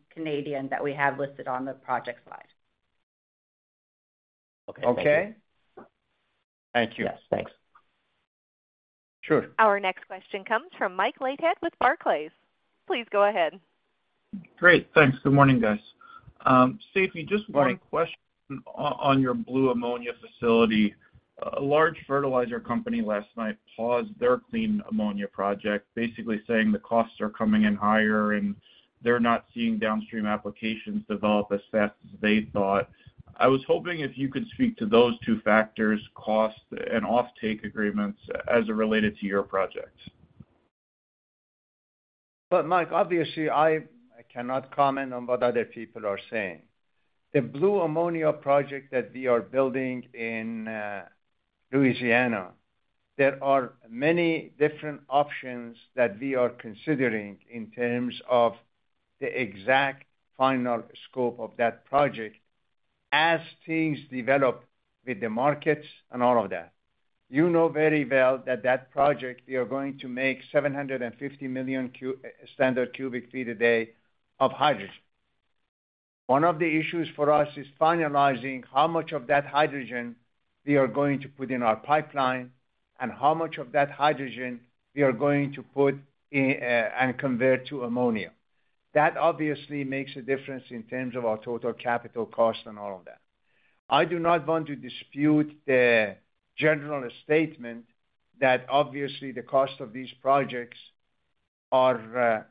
that we have listed on the project slide. Okay. Okay. Thank you. Yes, thanks. Sure. Our next question comes from Mike Leithead with Barclays. Please go ahead. Great, thanks. Good morning, guys. Seifi, just one question... Right On your blue ammonia facility. A large fertilizer company last night paused their clean ammonia project, basically saying the costs are coming in higher, and they're not seeing downstream applications develop as fast as they thought. I was hoping if you could speak to those two factors, cost and offtake agreements, as it related to your project. Mike, obviously, I, I cannot comment on what other people are saying. The blue ammonia project that we are building in Louisiana, there are many different options that we are considering in terms of the exact final scope of that project as things develop with the markets and all of that. You know very well that that project, we are going to make 750 million standard cubic feet a day of hydrogen. One of the issues for us is finalizing how much of that hydrogen we are going to put in our pipeline, and how much of that hydrogen we are going to put in and convert to ammonia. That obviously makes a difference in terms of our total capital cost and all of that. I do not want to dispute the general statement that obviously the cost of these projects are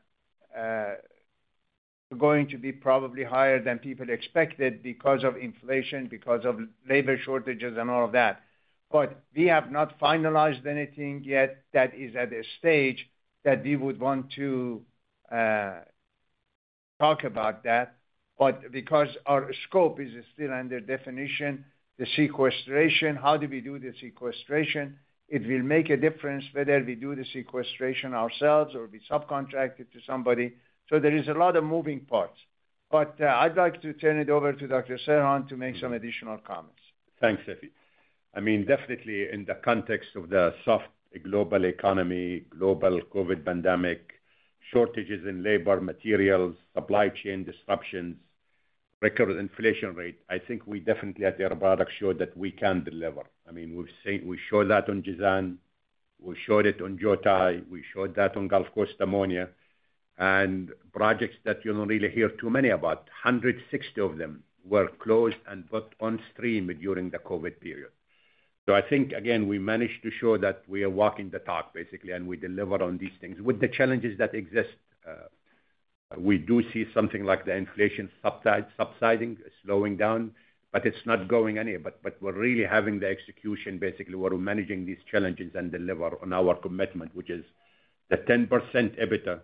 going to be probably higher than people expected because of inflation, because of labor shortages and all of that. We have not finalized anything yet that is at a stage that we would want to talk about that. Because our scope is still under definition, the sequestration, how do we do the sequestration? It will make a difference whether we do the sequestration ourselves or we subcontract it to somebody. There is a lot of moving parts. I'd like to turn it over to Dr. Serhan to make some additional comments. Thanks, Seifi. I mean, definitely in the context of the soft global economy, global COVID pandemic, shortages in labor, materials, supply chain disruptions, record inflation rate, I think we definitely at Air Products showed that we can deliver. I mean, we've seen. We showed that on Jazan, we showed it on Jazan, we showed that on Gulf Coast Ammonia. Projects that you don't really hear too many about, 160 of them were closed and put on stream during the COVID period. I think, again, we managed to show that we are walking the talk, basically, and we deliver on these things. With the challenges that exist, we do see something like the inflation subsiding, slowing down, but it's not going anywhere. We're really having the execution, basically, we're managing these challenges and deliver on our commitment, which is the 10% EBITDA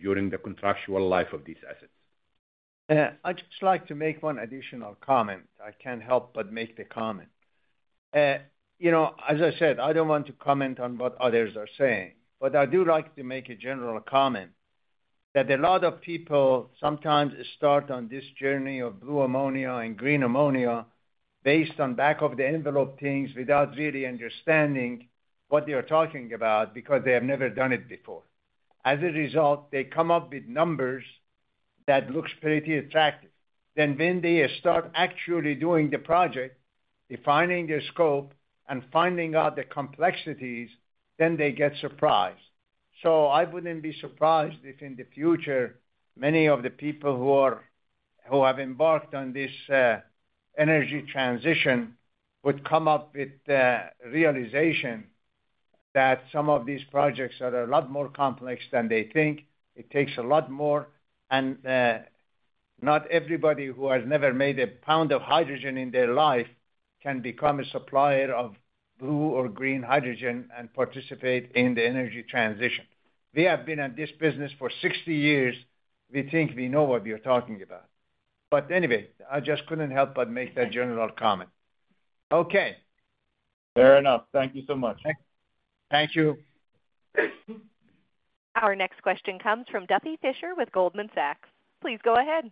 during the contractual life of these assets. I'd just like to make one additional comment. I can't help but make the comment. You know, as I said, I don't want to comment on what others are saying, but I do like to make a general comment, that a lot of people sometimes start on this journey of blue ammonia and green ammonia based on back of the envelope things, without really understanding what they are talking about, because they have never done it before. As a result, they come up with numbers that looks pretty attractive. When they start actually doing the project, defining the scope, and finding out the complexities, then they get surprised. I wouldn't be surprised if in the future, many of the people who are, who have embarked on this energy transition would come up with the realization that some of these projects are a lot more complex than they think. It takes a lot more, and not everybody who has never made a pound of hydrogen in their life can become a supplier of blue or green hydrogen and participate in the energy transition. We have been in this business for 60 years. We think we know what we are talking about. Anyway, I just couldn't help but make that general comment. Okay. Fair enough. Thank you so much. Thank you. Our next question comes from Duffy Fischer with Goldman Sachs. Please go ahead.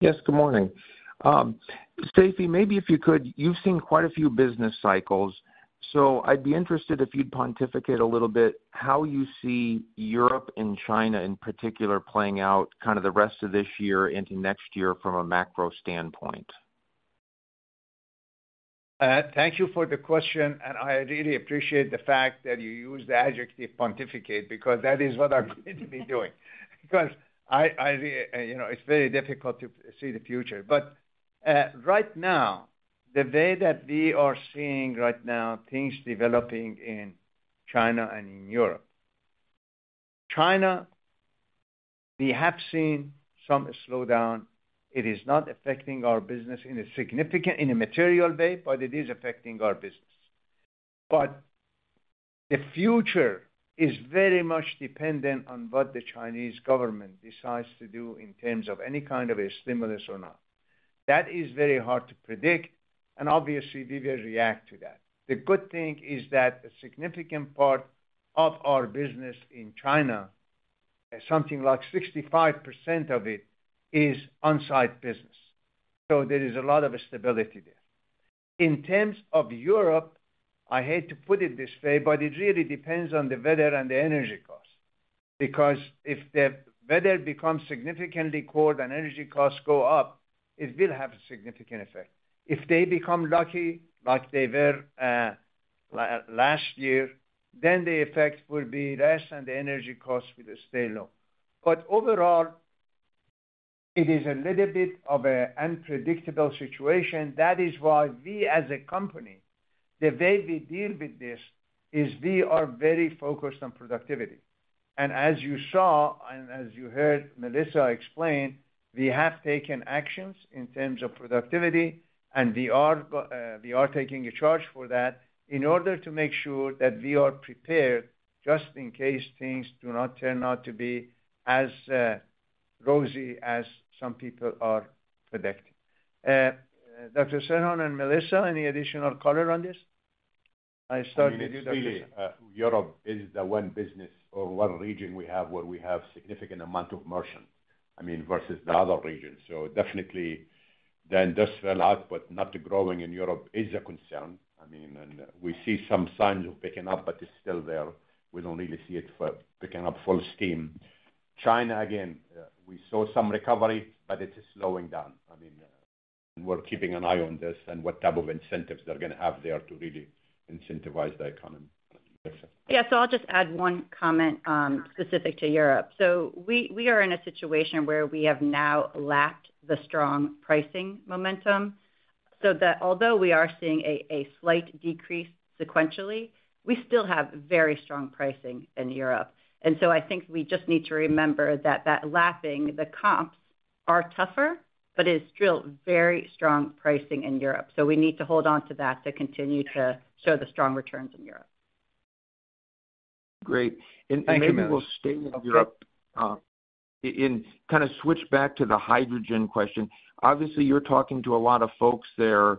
Yes, good morning. Seifi, maybe if you could, you've seen quite a few business cycles, so I'd be interested if you'd pontificate a little bit how you see Europe and China, in particular, playing out kind of the rest of this year into next year from a macro standpoint. Thank you for the question, and I really appreciate the fact that you used the adjective pontificate, because that is what I'm going to be doing. Because I, I, you know, it's very difficult to see the future. Right now, the way that we are seeing right now, things developing in China and in Europe. China, we have seen some slowdown. It is not affecting our business in a significant, in a material way, but it is affecting our business. The future is very much dependent on what the Chinese government decides to do in terms of any kind of a stimulus or not. That is very hard to predict, and obviously, we will react to that. The good thing is that a significant part of our business in China, something like 65% of it, is on-site business, so there is a lot of stability there. In terms of Europe, I hate to put it this way, but it really depends on the weather and the energy costs. Because if the weather becomes significantly cold and energy costs go up, it will have a significant effect. If they become lucky, like they were, last year, then the effect will be less, and the energy costs will stay low. Overall, it is a little bit of an unpredictable situation. That is why we, as a company, the way we deal with this, is we are very focused on productivity. As you saw, and as you heard Melissa explain, we have taken actions in terms of productivity, and we are taking a charge for that in order to make sure that we are prepared, just in case things do not turn out to be as rosy as some people are predicting. Dr. Serhan and Melissa, any additional color on this? I start with you, Dr. Serhan. I mean, it really, Europe is the one business or one region we have, where we have significant amount of merchant, I mean, versus the other regions. Definitely the industrial output, not growing in Europe is a concern. I mean, we see some signs of picking up, but it's still there. We don't really see it for picking up full steam. China, again, we saw some recovery, but it is slowing down. I mean, we're keeping an eye on this and what type of incentives they're gonna have there to really incentivize the economy. Melissa? Yeah. I'll just add one comment, specific to Europe. We, we are in a situation where we have now lapped the strong pricing momentum, so that although we are seeing a, a slight decrease sequentially, we still have very strong pricing in Europe. I think we just need to remember that that lapping the comps are tougher, but it's still very strong pricing in Europe. We need to hold on to that to continue to show the strong returns in Europe. Great. Thank you, Melissa. Maybe we'll stay with Europe, and kind of switch back to the hydrogen question. Obviously, you're talking to a lot of folks there.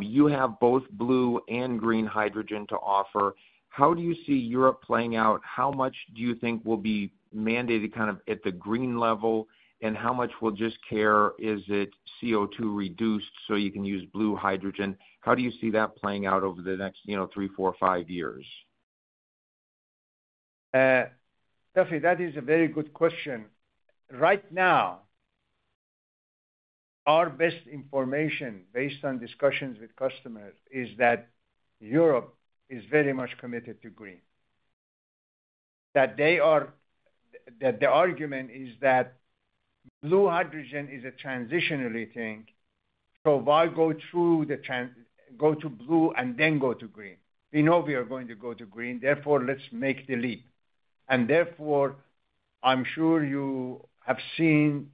You have both blue and green hydrogen to offer. How do you see Europe playing out? How much do you think will be mandated, kind of, at the green level? How much will just care, is it CO2 reduced so you can use blue hydrogen? How do you see that playing out over the next, you know, three, four, five years? Duffy, that is a very good question. Right now, our best information, based on discussions with customers, is that Europe is very much committed to green. That they are-- That the argument is that blue hydrogen is a transitionary thing, so why go through the trans... Go to blue and then go to green? We know we are going to go to green, therefore, let's make the leap. Therefore, I'm sure you have seen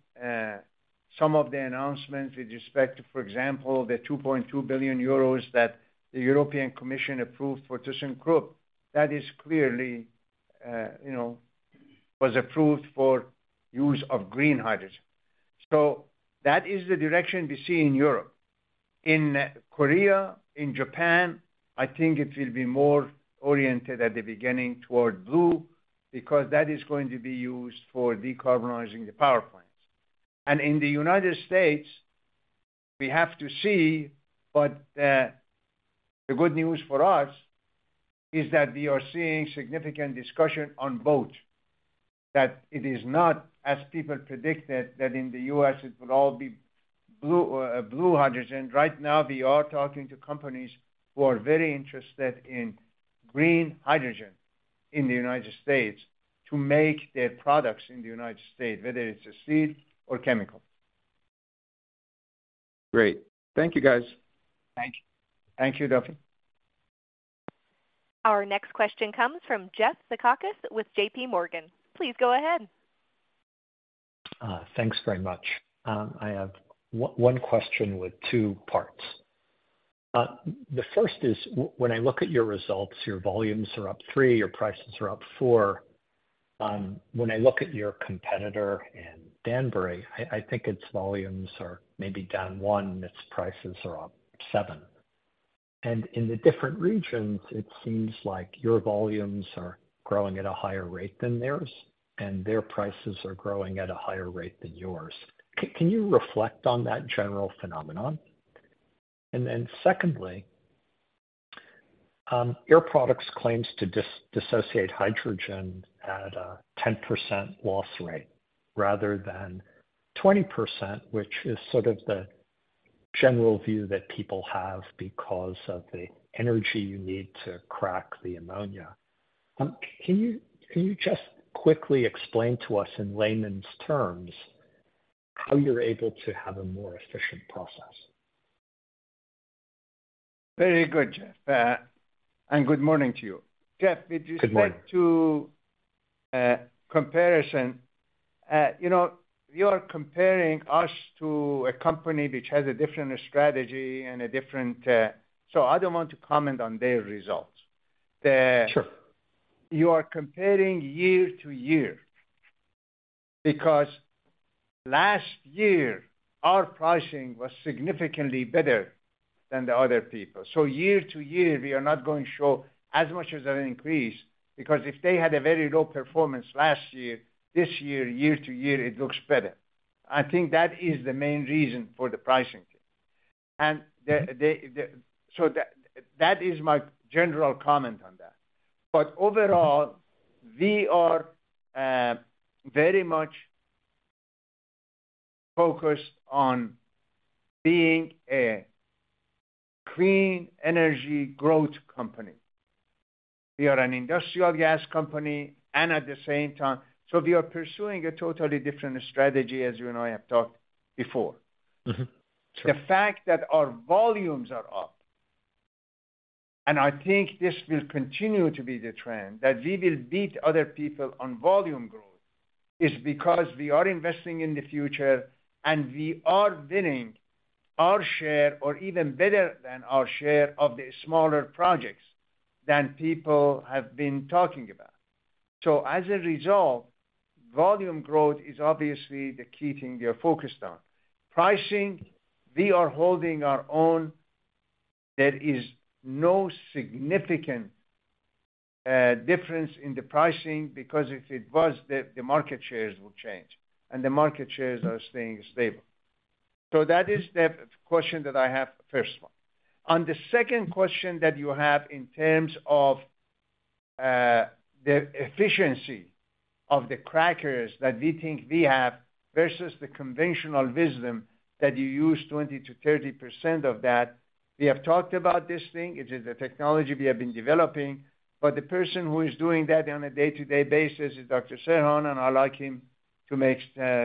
some of the announcements with respect to, for example, the 2.2 billion euros that the European Commission approved for thyssenkrupp. That is clearly, you know, was approved for use of green hydrogen. That is the direction we see in Europe. In Korea, in Japan, I think it will be more oriented at the beginning toward blue, because that is going to be used for decarbonizing the power plants. In the United States. We have to see, but, the good news for us is that we are seeing significant discussion on both. That it is not, as people predicted, that in the U.S. it would all be blue, blue hydrogen. Right now, we are talking to companies who are very interested in green hydrogen in the United States to make their products in the United States, whether it's a steel or chemical. Great. Thank you, guys. Thank you. Thank you, Duffy. Our next question comes from Jeffrey Zekauskas with J.P. Morgan. Please go ahead. Thanks very much. I have one question with two parts. The first is, when I look at your results, your volumes are up 3, your prices are up 4. When I look at your competitor in Danbury, I think its volumes are maybe down 1, its prices are up 7. In the different regions, it seems like your volumes are growing at a higher rate than theirs, and their prices are growing at a higher rate than yours. Can you reflect on that general phenomenon? Then secondly, Air Products claims to dissociate hydrogen at a 10% loss rate rather than 20%, which is sort of the general view that people have because of the energy you need to crack the ammonia. Can you, can you just quickly explain to us in layman's terms, how you're able to have a more efficient process? Very good, Jeff. Good morning to you. Jeff, with respect- Good morning. To, comparison, you know, you are comparing us to a company which has a different strategy and a different... I don't want to comment on their results. Sure. You are comparing year-to-year, because last year, our pricing was significantly better than the other people. Year-to-year, we are not going to show as much as an increase, because if they had a very low performance last year, this year, year-to-year, it looks better. I think that is the main reason for the pricing. That is my general comment on that. Overall, we are very much focused on being a clean energy growth company. We are an industrial gas company, and at the same time, so we are pursuing a totally different strategy, as you and I have talked before. Mm-hmm. Sure. The fact that our volumes are up, and I think this will continue to be the trend, that we will beat other people on volume growth, is because we are investing in the future, and we are winning our share or even better than our share of the smaller projects than people have been talking about. As a result, volume growth is obviously the key thing we are focused on. Pricing, we are holding our own. There is no significant difference in the pricing, because if it was, the market shares would change, and the market shares are staying stable. That is the question that I have, first 1. On the second question that you have in terms of, the efficiency of the crackers that we think we have versus the conventional wisdom that you use 20%-30% of that, we have talked about this thing. It is a technology we have been developing, but the person who is doing that on a day-to-day basis is Dr. Serhan, and I'd like him to make,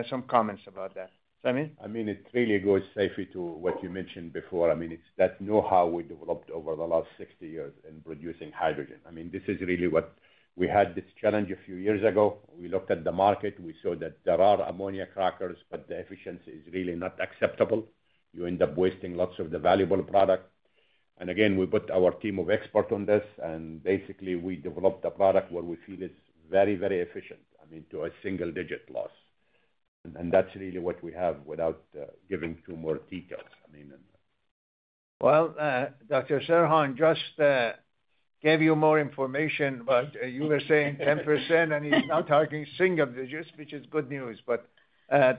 some comments about that. Sammy? I mean, it really goes Seifi to what you mentioned before. I mean, it's that know-how we developed over the last 60 years in producing hydrogen. I mean, this is really what. We had this challenge a few years ago. We looked at the market, we saw that there are ammonia crackers, but the efficiency is really not acceptable. You end up wasting lots of the valuable product. Again, we put our team of experts on this, and basically we developed a product where we feel it's very, very efficient, I mean, to a single-digit loss. That's really what we have without giving two more details, I mean. Well, Dr. Serhan, just gave you more information, but you were saying 10%, and he's now targeting single digits, which is good news. Jeff,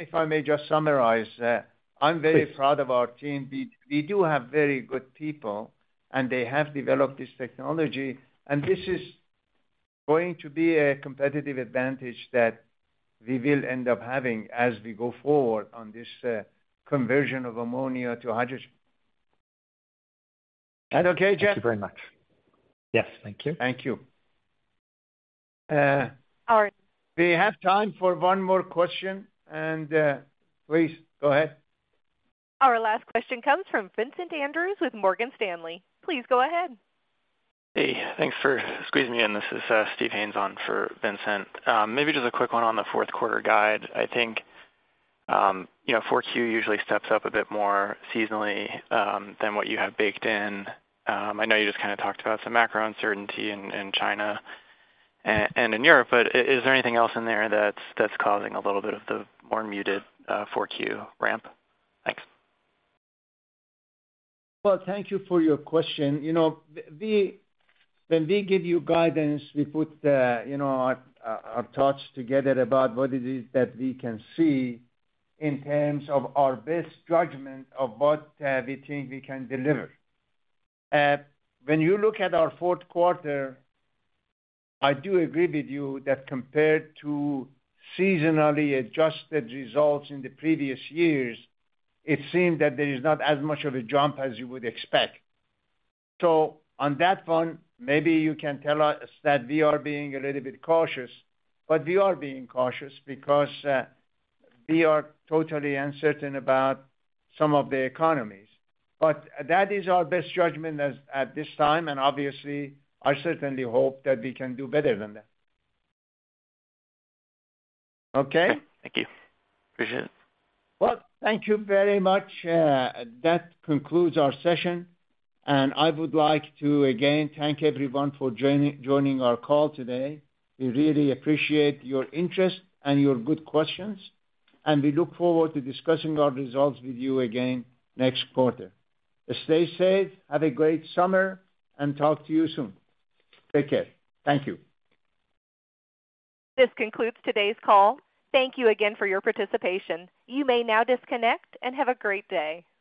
if I may just summarize, Please. I'm very proud of our team. We, we do have very good people, and they have developed this technology, and this is going to be a competitive advantage that we will end up having as we go forward on this conversion of ammonia to hydrogen. Is that okay, Jeff? Thank you very much. Yes, thank you. Thank you. All right. We have time for one more question, and, please, go ahead. Our last question comes from Vincent Andrews with Morgan Stanley. Please go ahead. Hey, thanks for squeezing me in. This is Steve Haynes on for Vincent. A quick one on the fourth quarter guide. I think, you know, 4Q usually steps up a bit more seasonally, than what you have baked in. I know you just kind of talked about some macro uncertainty in, in China and in Europe, but is there anything else in there that's, that's causing a little bit of the more muted, 4Q ramp? Thanks. Well, thank you for your question. You know, when we give you guidance, we put, you know, our thoughts together about what it is that we can see in terms of our best judgment of what we think we can deliver. When you look at our fourth quarter, I do agree with you that compared to seasonally adjusted results in the previous years, it seems that there is not as much of a jump as you would expect. On that one, maybe you can tell us that we are being a little bit cautious, but we are being cautious because we are totally uncertain about some of the economies. That is our best judgment as at this time, and obviously, I certainly hope that we can do better than that. Okay? Thank you. Appreciate it. Well, thank you very much. That concludes our session, I would like to again thank everyone for joining, joining our call today. We really appreciate your interest and your good questions, we look forward to discussing our results with you again next quarter. Stay safe, have a great summer, talk to you soon. Take care. Thank you. This concludes today's call. Thank you again for your participation. You may now disconnect and have a great day.